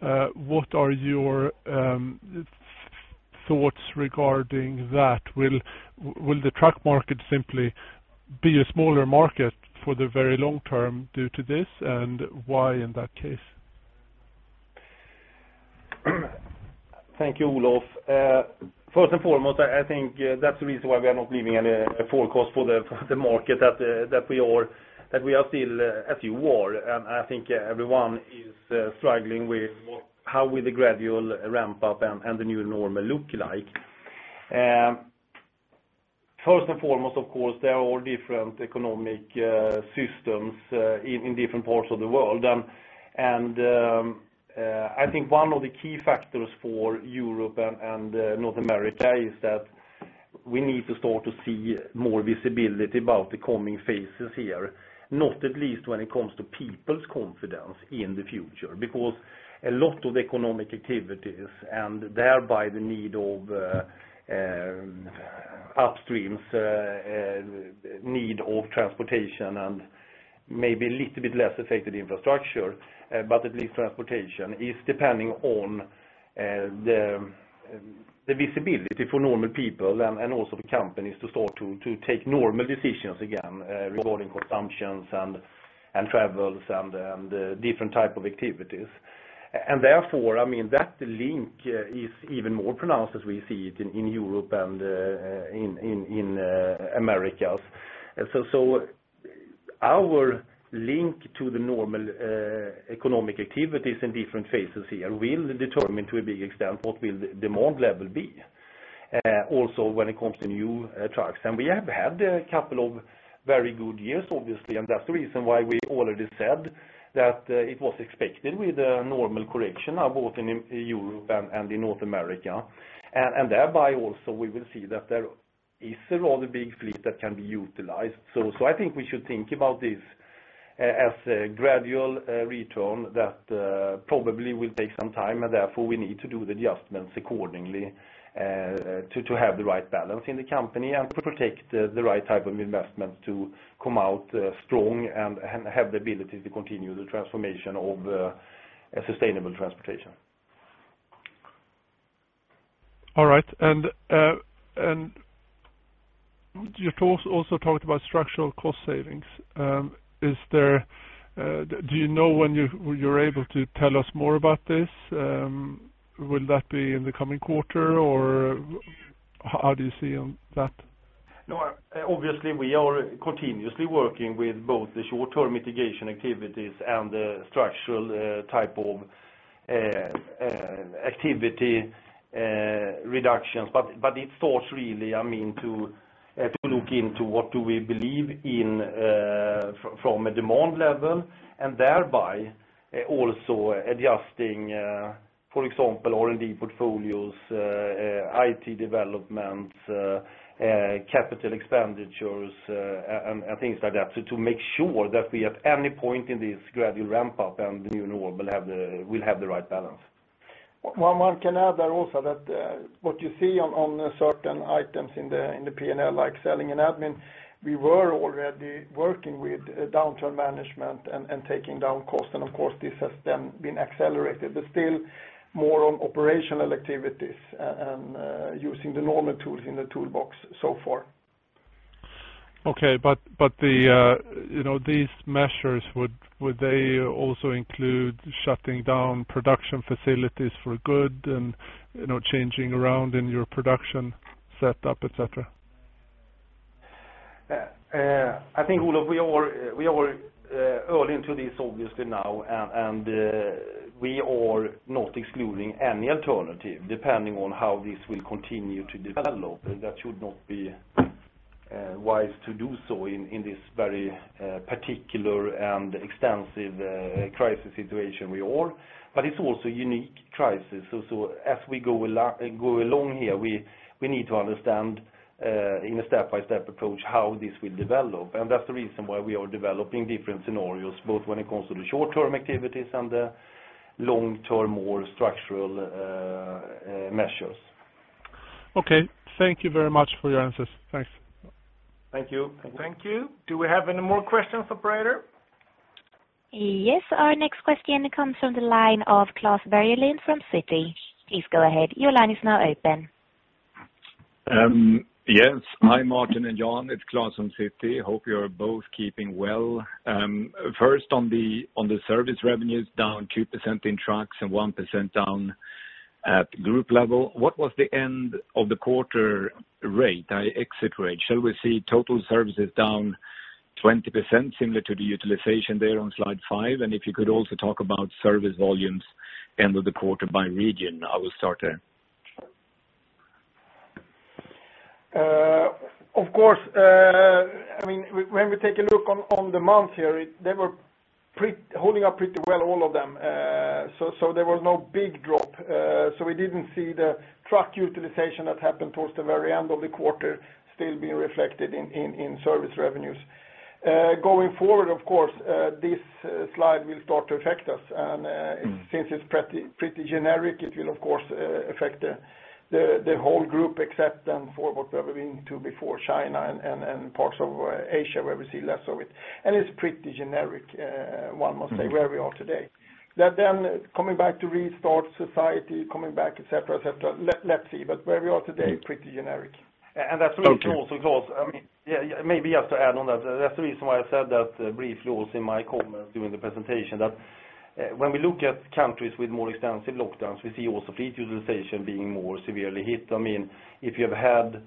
What are your thoughts regarding that? Will the truck market simply be a smaller market for the very long term due to this, and why in that case?
Thank you, Olof. First and foremost, I think that's the reason why we are not giving any forecast for the market that we are still at war. I think everyone is struggling with how will the gradual ramp up and the new normal look like. First and foremost, of course, there are different economic systems in different parts of the world. I think one of the key factors for Europe and North America is that we need to start to see more visibility about the coming phases here, not at least when it comes to people's confidence in the future. A lot of economic activities and thereby the need of upstreams, need of transportation and maybe a little bit less affected infrastructure, but at least transportation is depending on the visibility for normal people and also the companies to start to take normal decisions again regarding consumptions and travels and different type of activities. Therefore, that link is even more pronounced as we see it in Europe and in Americas. Our link to the normal economic activities in different phases here will determine to a big extent what will the demand level be. Also when it comes to new trucks. We have had a couple of very good years, obviously, and that's the reason why we already said that it was expected with a normal correction, both in Europe and in North America. Thereby also we will see that there is still all the big fleet that can be utilized. I think we should think about this as a gradual return that probably will take some time, and therefore we need to do the adjustments accordingly, to have the right balance in the company and to protect the right type of investments to come out strong and have the ability to continue the transformation of sustainable transportation.
All right. You also talked about structural cost savings. Do you know when you're able to tell us more about this? Will that be in the coming quarter, or how do you see on that?
Obviously, we are continuously working with both the short-term mitigation activities and the structural type of activity reductions. It starts really, to look into what do we believe in from a demand level, and thereby also adjusting, for example, R&D portfolios, IT development, capital expenditures, and things like that to make sure that we at any point in this gradual ramp-up and the new normal will have the right balance.
One can add there also that what you see on certain items in the P&L, like selling and admin, we were already working with downturn management and taking down cost, and of course, this has then been accelerated. Still more on operational activities and using the normal tools in the toolbox so far.
Okay. These measures, would they also include shutting down production facilities for good and changing around in your production setup, et cetera?
I think, Olof, we are early into this obviously now, and we are not excluding any alternative depending on how this will continue to develop. That should not be wise to do so in this very particular and extensive crisis situation we are. It's also a unique crisis. As we go along here, we need to understand in a step-by-step approach how this will develop. That's the reason why we are developing different scenarios, both when it comes to the short-term activities and the long-term, more structural measures.
Okay. Thank you very much for your answers. Thanks.
Thank you.
Thank you. Do we have any more questions operator?
Yes. Our next question comes from the line of Klas Bergelind from Citi. Please go ahead. Your line is now open.
Yes. Hi, Martin and Jan, it's Klas from Citi. Hope you are both keeping well. First on the service revenues down 2% in trucks and 1% down at group level. What was the end of the quarter rate, exit rate? Shall we see total services down 20%, similar to the utilization there on slide five? If you could also talk about service volumes end of the quarter by region. I will start there.
Of course, when we take a look on the month here, they were holding up pretty well, all of them. There was no big drop. We didn't see the truck utilization that happened towards the very end of the quarter still being reflected in service revenues. Going forward, of course, this slide will start to affect us, and since it's pretty generic, it will of course affect the whole group except then for what we have been into before China and parts of Asia where we see less of it. It's pretty generic, one must say, where we are today. Coming back to restart society, coming back, et cetera. Let's see. Where we are today, pretty generic.
That's really true also, Klas. Maybe just to add on that's the reason why I said that briefly also in my comments during the presentation that when we look at countries with more extensive lockdowns, we see also fleet utilization being more severely hit. If you have had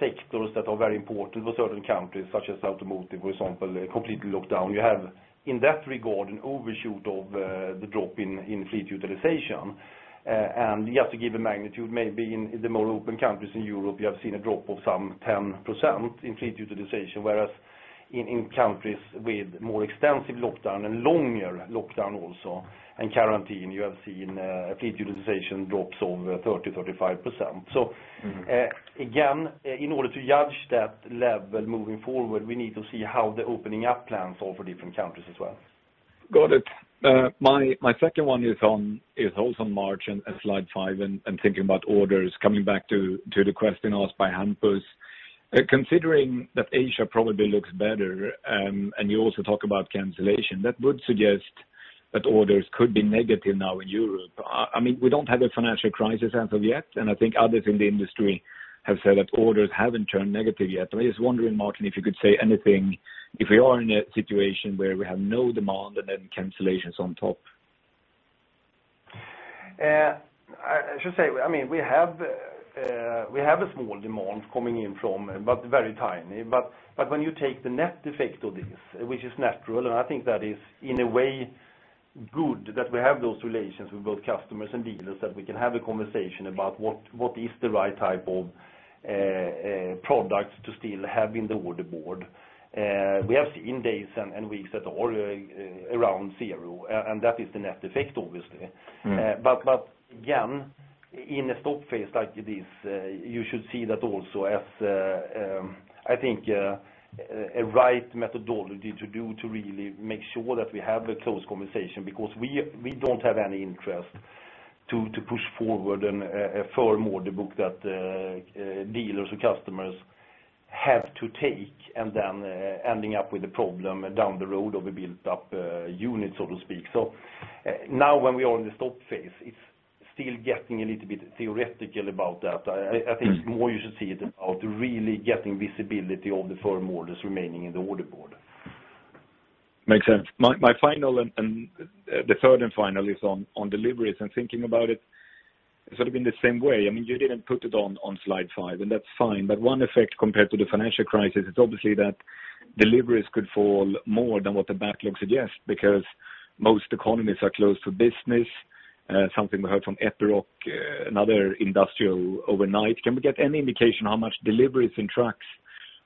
sectors that are very important for certain countries, such as automotive, for example, completely locked down, you have in that regard an overshoot of the drop in fleet utilization. Just to give a magnitude, maybe in the more open countries in Europe, you have seen a drop of some 10% in fleet utilization, whereas in countries with more extensive lockdown and longer lockdown also and quarantine, you have seen fleet utilization drops of 30%, 35%. Again, in order to judge that level moving forward, we need to see how the opening up plans are for different countries as well.
Got it. My second one is also on margin and slide five, and thinking about orders, coming back to the question asked by Hampus. Considering that Asia probably looks better, and you also talk about cancellation, that would suggest that orders could be negative now in Europe. We don't have a financial crisis as of yet, and I think others in the industry have said that orders haven't turned negative yet. I was wondering, Martin, if you could say anything, if we are in a situation where we have no demand and then cancellations on top.
I should say, we have a small demand coming in from, but very tiny. When you take the net effect of this, which is natural, and I think that is in a way good that we have those relations with both customers and dealers, that we can have a conversation about what is the right type of products to still have in the order board. We have seen days and weeks that are around zero, and that is the net effect, obviously. Again, in a stop phase like this, you should see that also as, I think, a right methodology to do to really make sure that we have a close conversation because we don't have any interest to push forward a firm order book that dealers or customers have to take and then ending up with a problem down the road of a built-up unit, so to speak. Now when we are in the stop phase, it's still getting a little bit theoretical about that. I think more you should see it about really getting visibility of the firm orders remaining in the order board.
Makes sense. My third and final is on deliveries and thinking about it sort of in the same way. You didn't put it on slide five, and that's fine, one effect compared to the financial crisis is obviously that deliveries could fall more than what the backlog suggests because most economies are close for business. Something we heard from Epiroc, another industrial overnight. Can we get any indication how much deliveries in trucks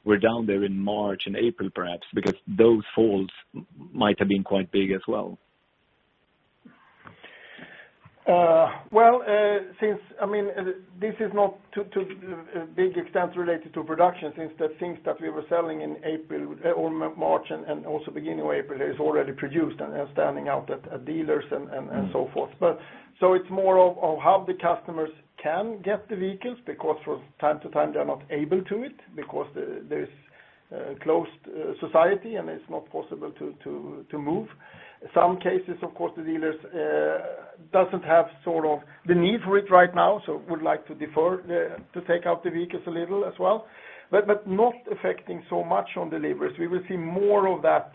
were down there in March and April, perhaps, because those falls might have been quite big as well?
This is not to a big extent related to production, since the things that we were selling in March and also beginning of April is already produced and standing out at dealers and so forth. It's more of how the customers can get the vehicles, because from time to time, they are not able to it because there is closed society, and it's not possible to move. Some cases, of course, the dealers doesn't have the need for it right now, so would like to defer to take out the vehicles a little as well, but not affecting so much on deliveries. We will see more of that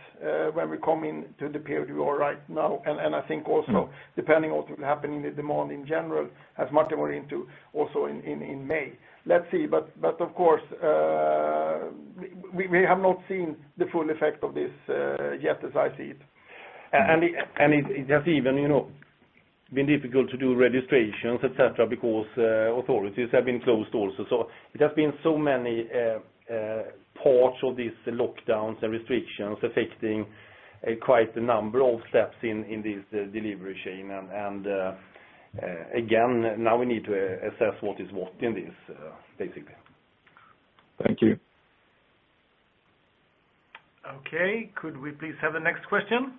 when we come into the period we are right now. I think also depending on what will happen in the demand in general, as Martin went into also in May. Let's see. Of course, we have not seen the full effect of this yet as I see it.
It has even been difficult to do registrations, et cetera, because authorities have been closed also. It has been so many parts of these lockdowns and restrictions affecting quite a number of steps in this delivery chain. Again, now we need to assess what is what in this, basically.
Thank you.
Okay. Could we please have the next question?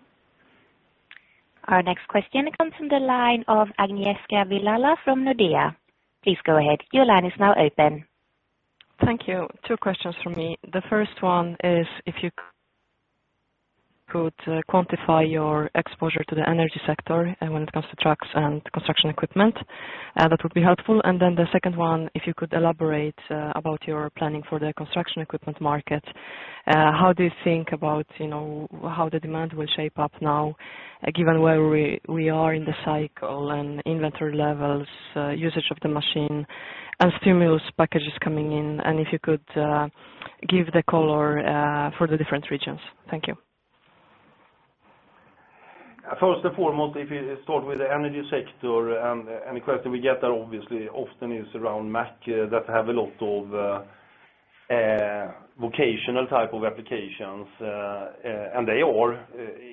Our next question comes from the line of Agnieszka Vilela from Nordea. Please go ahead. Your line is now open.
Thank you. Two questions from me. The first one is if you could quantify your exposure to the energy sector and when it comes to trucks and construction equipment, that would be helpful. The second one, if you could elaborate about your planning for the construction equipment market. How do you think about how the demand will shape up now, given where we are in the cycle and inventory levels, usage of the machine and stimulus packages coming in, and if you could give the color for the different regions. Thank you.
First and foremost, if you start with the energy sector and any question we get there obviously often is around Mack that have a lot of vocational type of applications, and they are,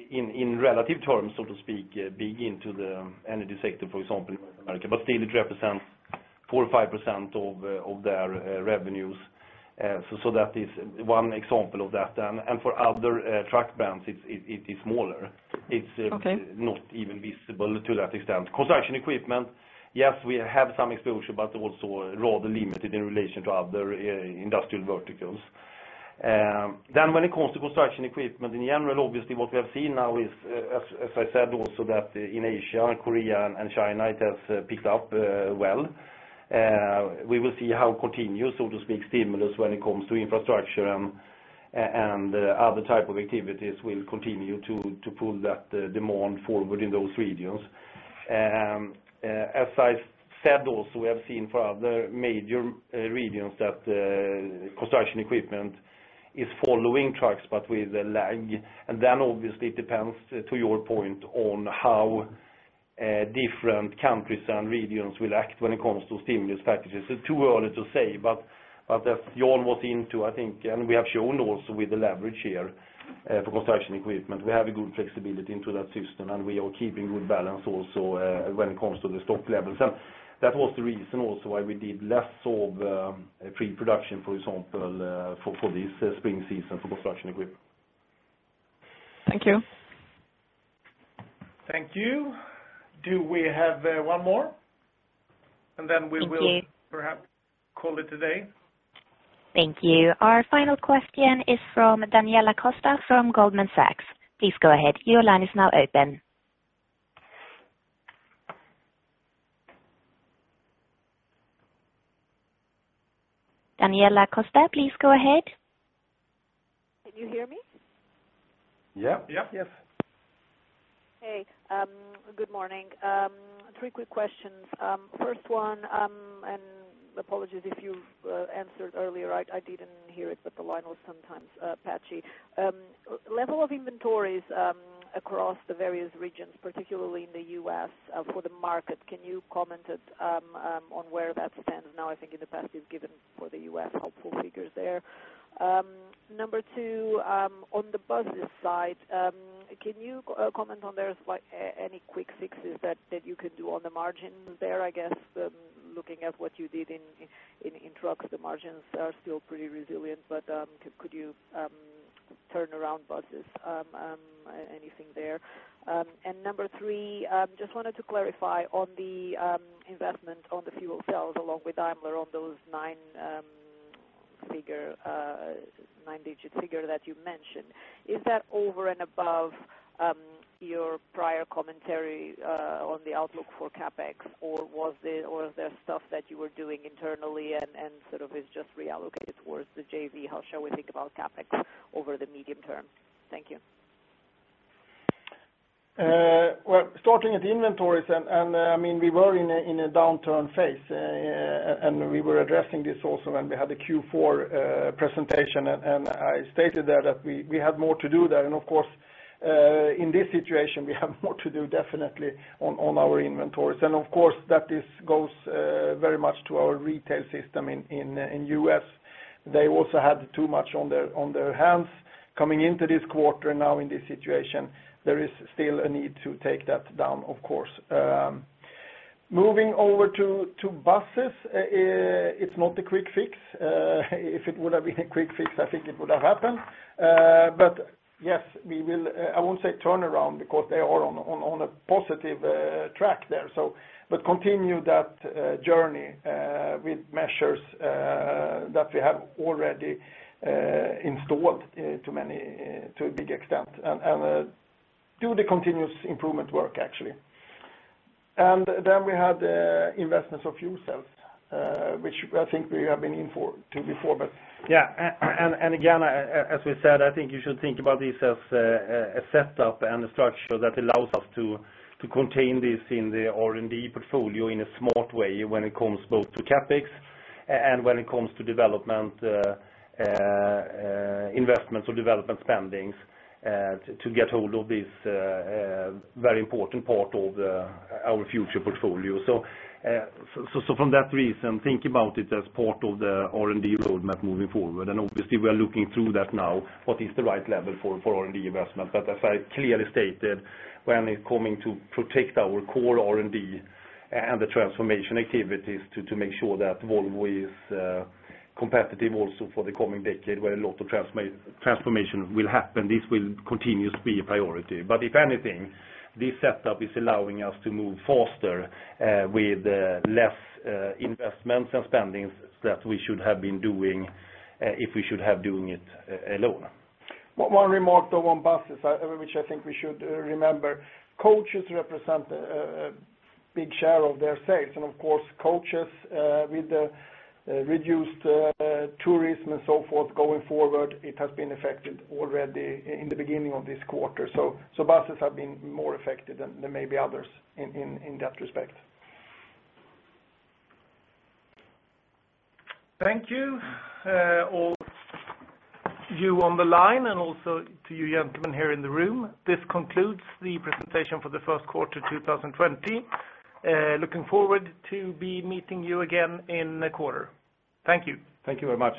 in relative terms, so to speak, big into the energy sector, for example, in North America, but still it represents 4% or 5% of their revenues. That is one example of that. For other truck brands, it is smaller.
Okay.
It's not even visible to that extent. Construction equipment, yes, we have some exposure, but also rather limited in relation to other industrial verticals. When it comes to construction equipment in general, obviously, what we have seen now is, as I said, also that in Asia and Korea and China, it has picked up well. We will see how continuous, so to speak, stimulus when it comes to infrastructure and other type of activities will continue to pull that demand forward in those regions. As I said also, we have seen for other major regions that construction equipment is following trucks, but with a lag. Obviously it depends to your point on how different countries and regions will act when it comes to stimulus packages. It's too early to say, but as Jan was into, I think, and we have shown also with the leverage here for construction equipment, we have a good flexibility into that system, and we are keeping good balance also when it comes to the stock levels. That was the reason also why we did less of pre-production, for example, for this spring season for construction equipment.
Thank you.
Thank you. Do we have one more?
Thank you.
Perhaps call it a day.
Thank you. Our final question is from Daniela Costa from Goldman Sachs. Please go ahead. Your line is now open. Daniela Costa, please go ahead.
Can you hear me?
Yep.
Yes.
Hey, good morning. Three quick questions. First one. Apologies if you've answered earlier, I didn't hear it, but the line was sometimes patchy. Level of inventories across the various regions, particularly in the U.S., for the market. Can you comment on where that stands now? I think in the past you've given for the U.S. helpful figures there. Number two, on the buses side, can you comment on there any quick fixes that you can do on the margins there? I guess, looking at what you did in trucks, the margins are still pretty resilient. Could you turn around buses, anything there? Number three, just wanted to clarify on the investment on the fuel cells along with Daimler on those nine-digit figure that you mentioned. Is that over and above your prior commentary on the outlook for CapEx, or was there stuff that you were doing internally and sort of is just reallocated towards the JV? How shall we think about CapEx over the medium term? Thank you.
Well, starting at the inventories, we were in a downturn phase. We were addressing this also when we had the Q4 presentation. I stated there that we had more to do there. Of course, in this situation, we have more to do definitely on our inventories. Of course, that this goes very much to our retail system in U.S. They also had too much on their hands coming into this quarter. Now in this situation, there is still a need to take that down, of course. Moving over to buses, it's not a quick fix. If it would have been a quick fix, I think it would have happened. Yes, we will, I won't say turn around because they are on a positive track there. Continue that journey with measures that we have already installed to a big extent, and do the continuous improvement work, actually. Then we had the investments of fuel cells, which I think we have been in to before.
Again, as we said, I think you should think about this as a setup and a structure that allows us to contain this in the R&D portfolio in a smart way when it comes both to CapEx and when it comes to investments or development spendings to get hold of this very important part of our future portfolio. From that reason, think about it as part of the R&D roadmap moving forward. Obviously we are looking through that now, what is the right level for R&D investment. As I clearly stated, when it's coming to protect our core R&D and the transformation activities to make sure that Volvo is competitive also for the coming decade, where a lot of transformation will happen, this will continue to be a priority. If anything, this setup is allowing us to move faster with less investments and spendings that we should have been doing if we should have done it alone.
One remark, though, on buses, which I think we should remember. Coaches represent a big share of their sales, and of course, coaches with the reduced tourism and so forth going forward, it has been affected already in the beginning of this quarter. Buses have been more affected than maybe others in that respect.
Thank you all of you on the line and also to you gentlemen here in the room. This concludes the presentation for the first quarter 2020. Looking forward to be meeting you again in a quarter. Thank you.
Thank you very much.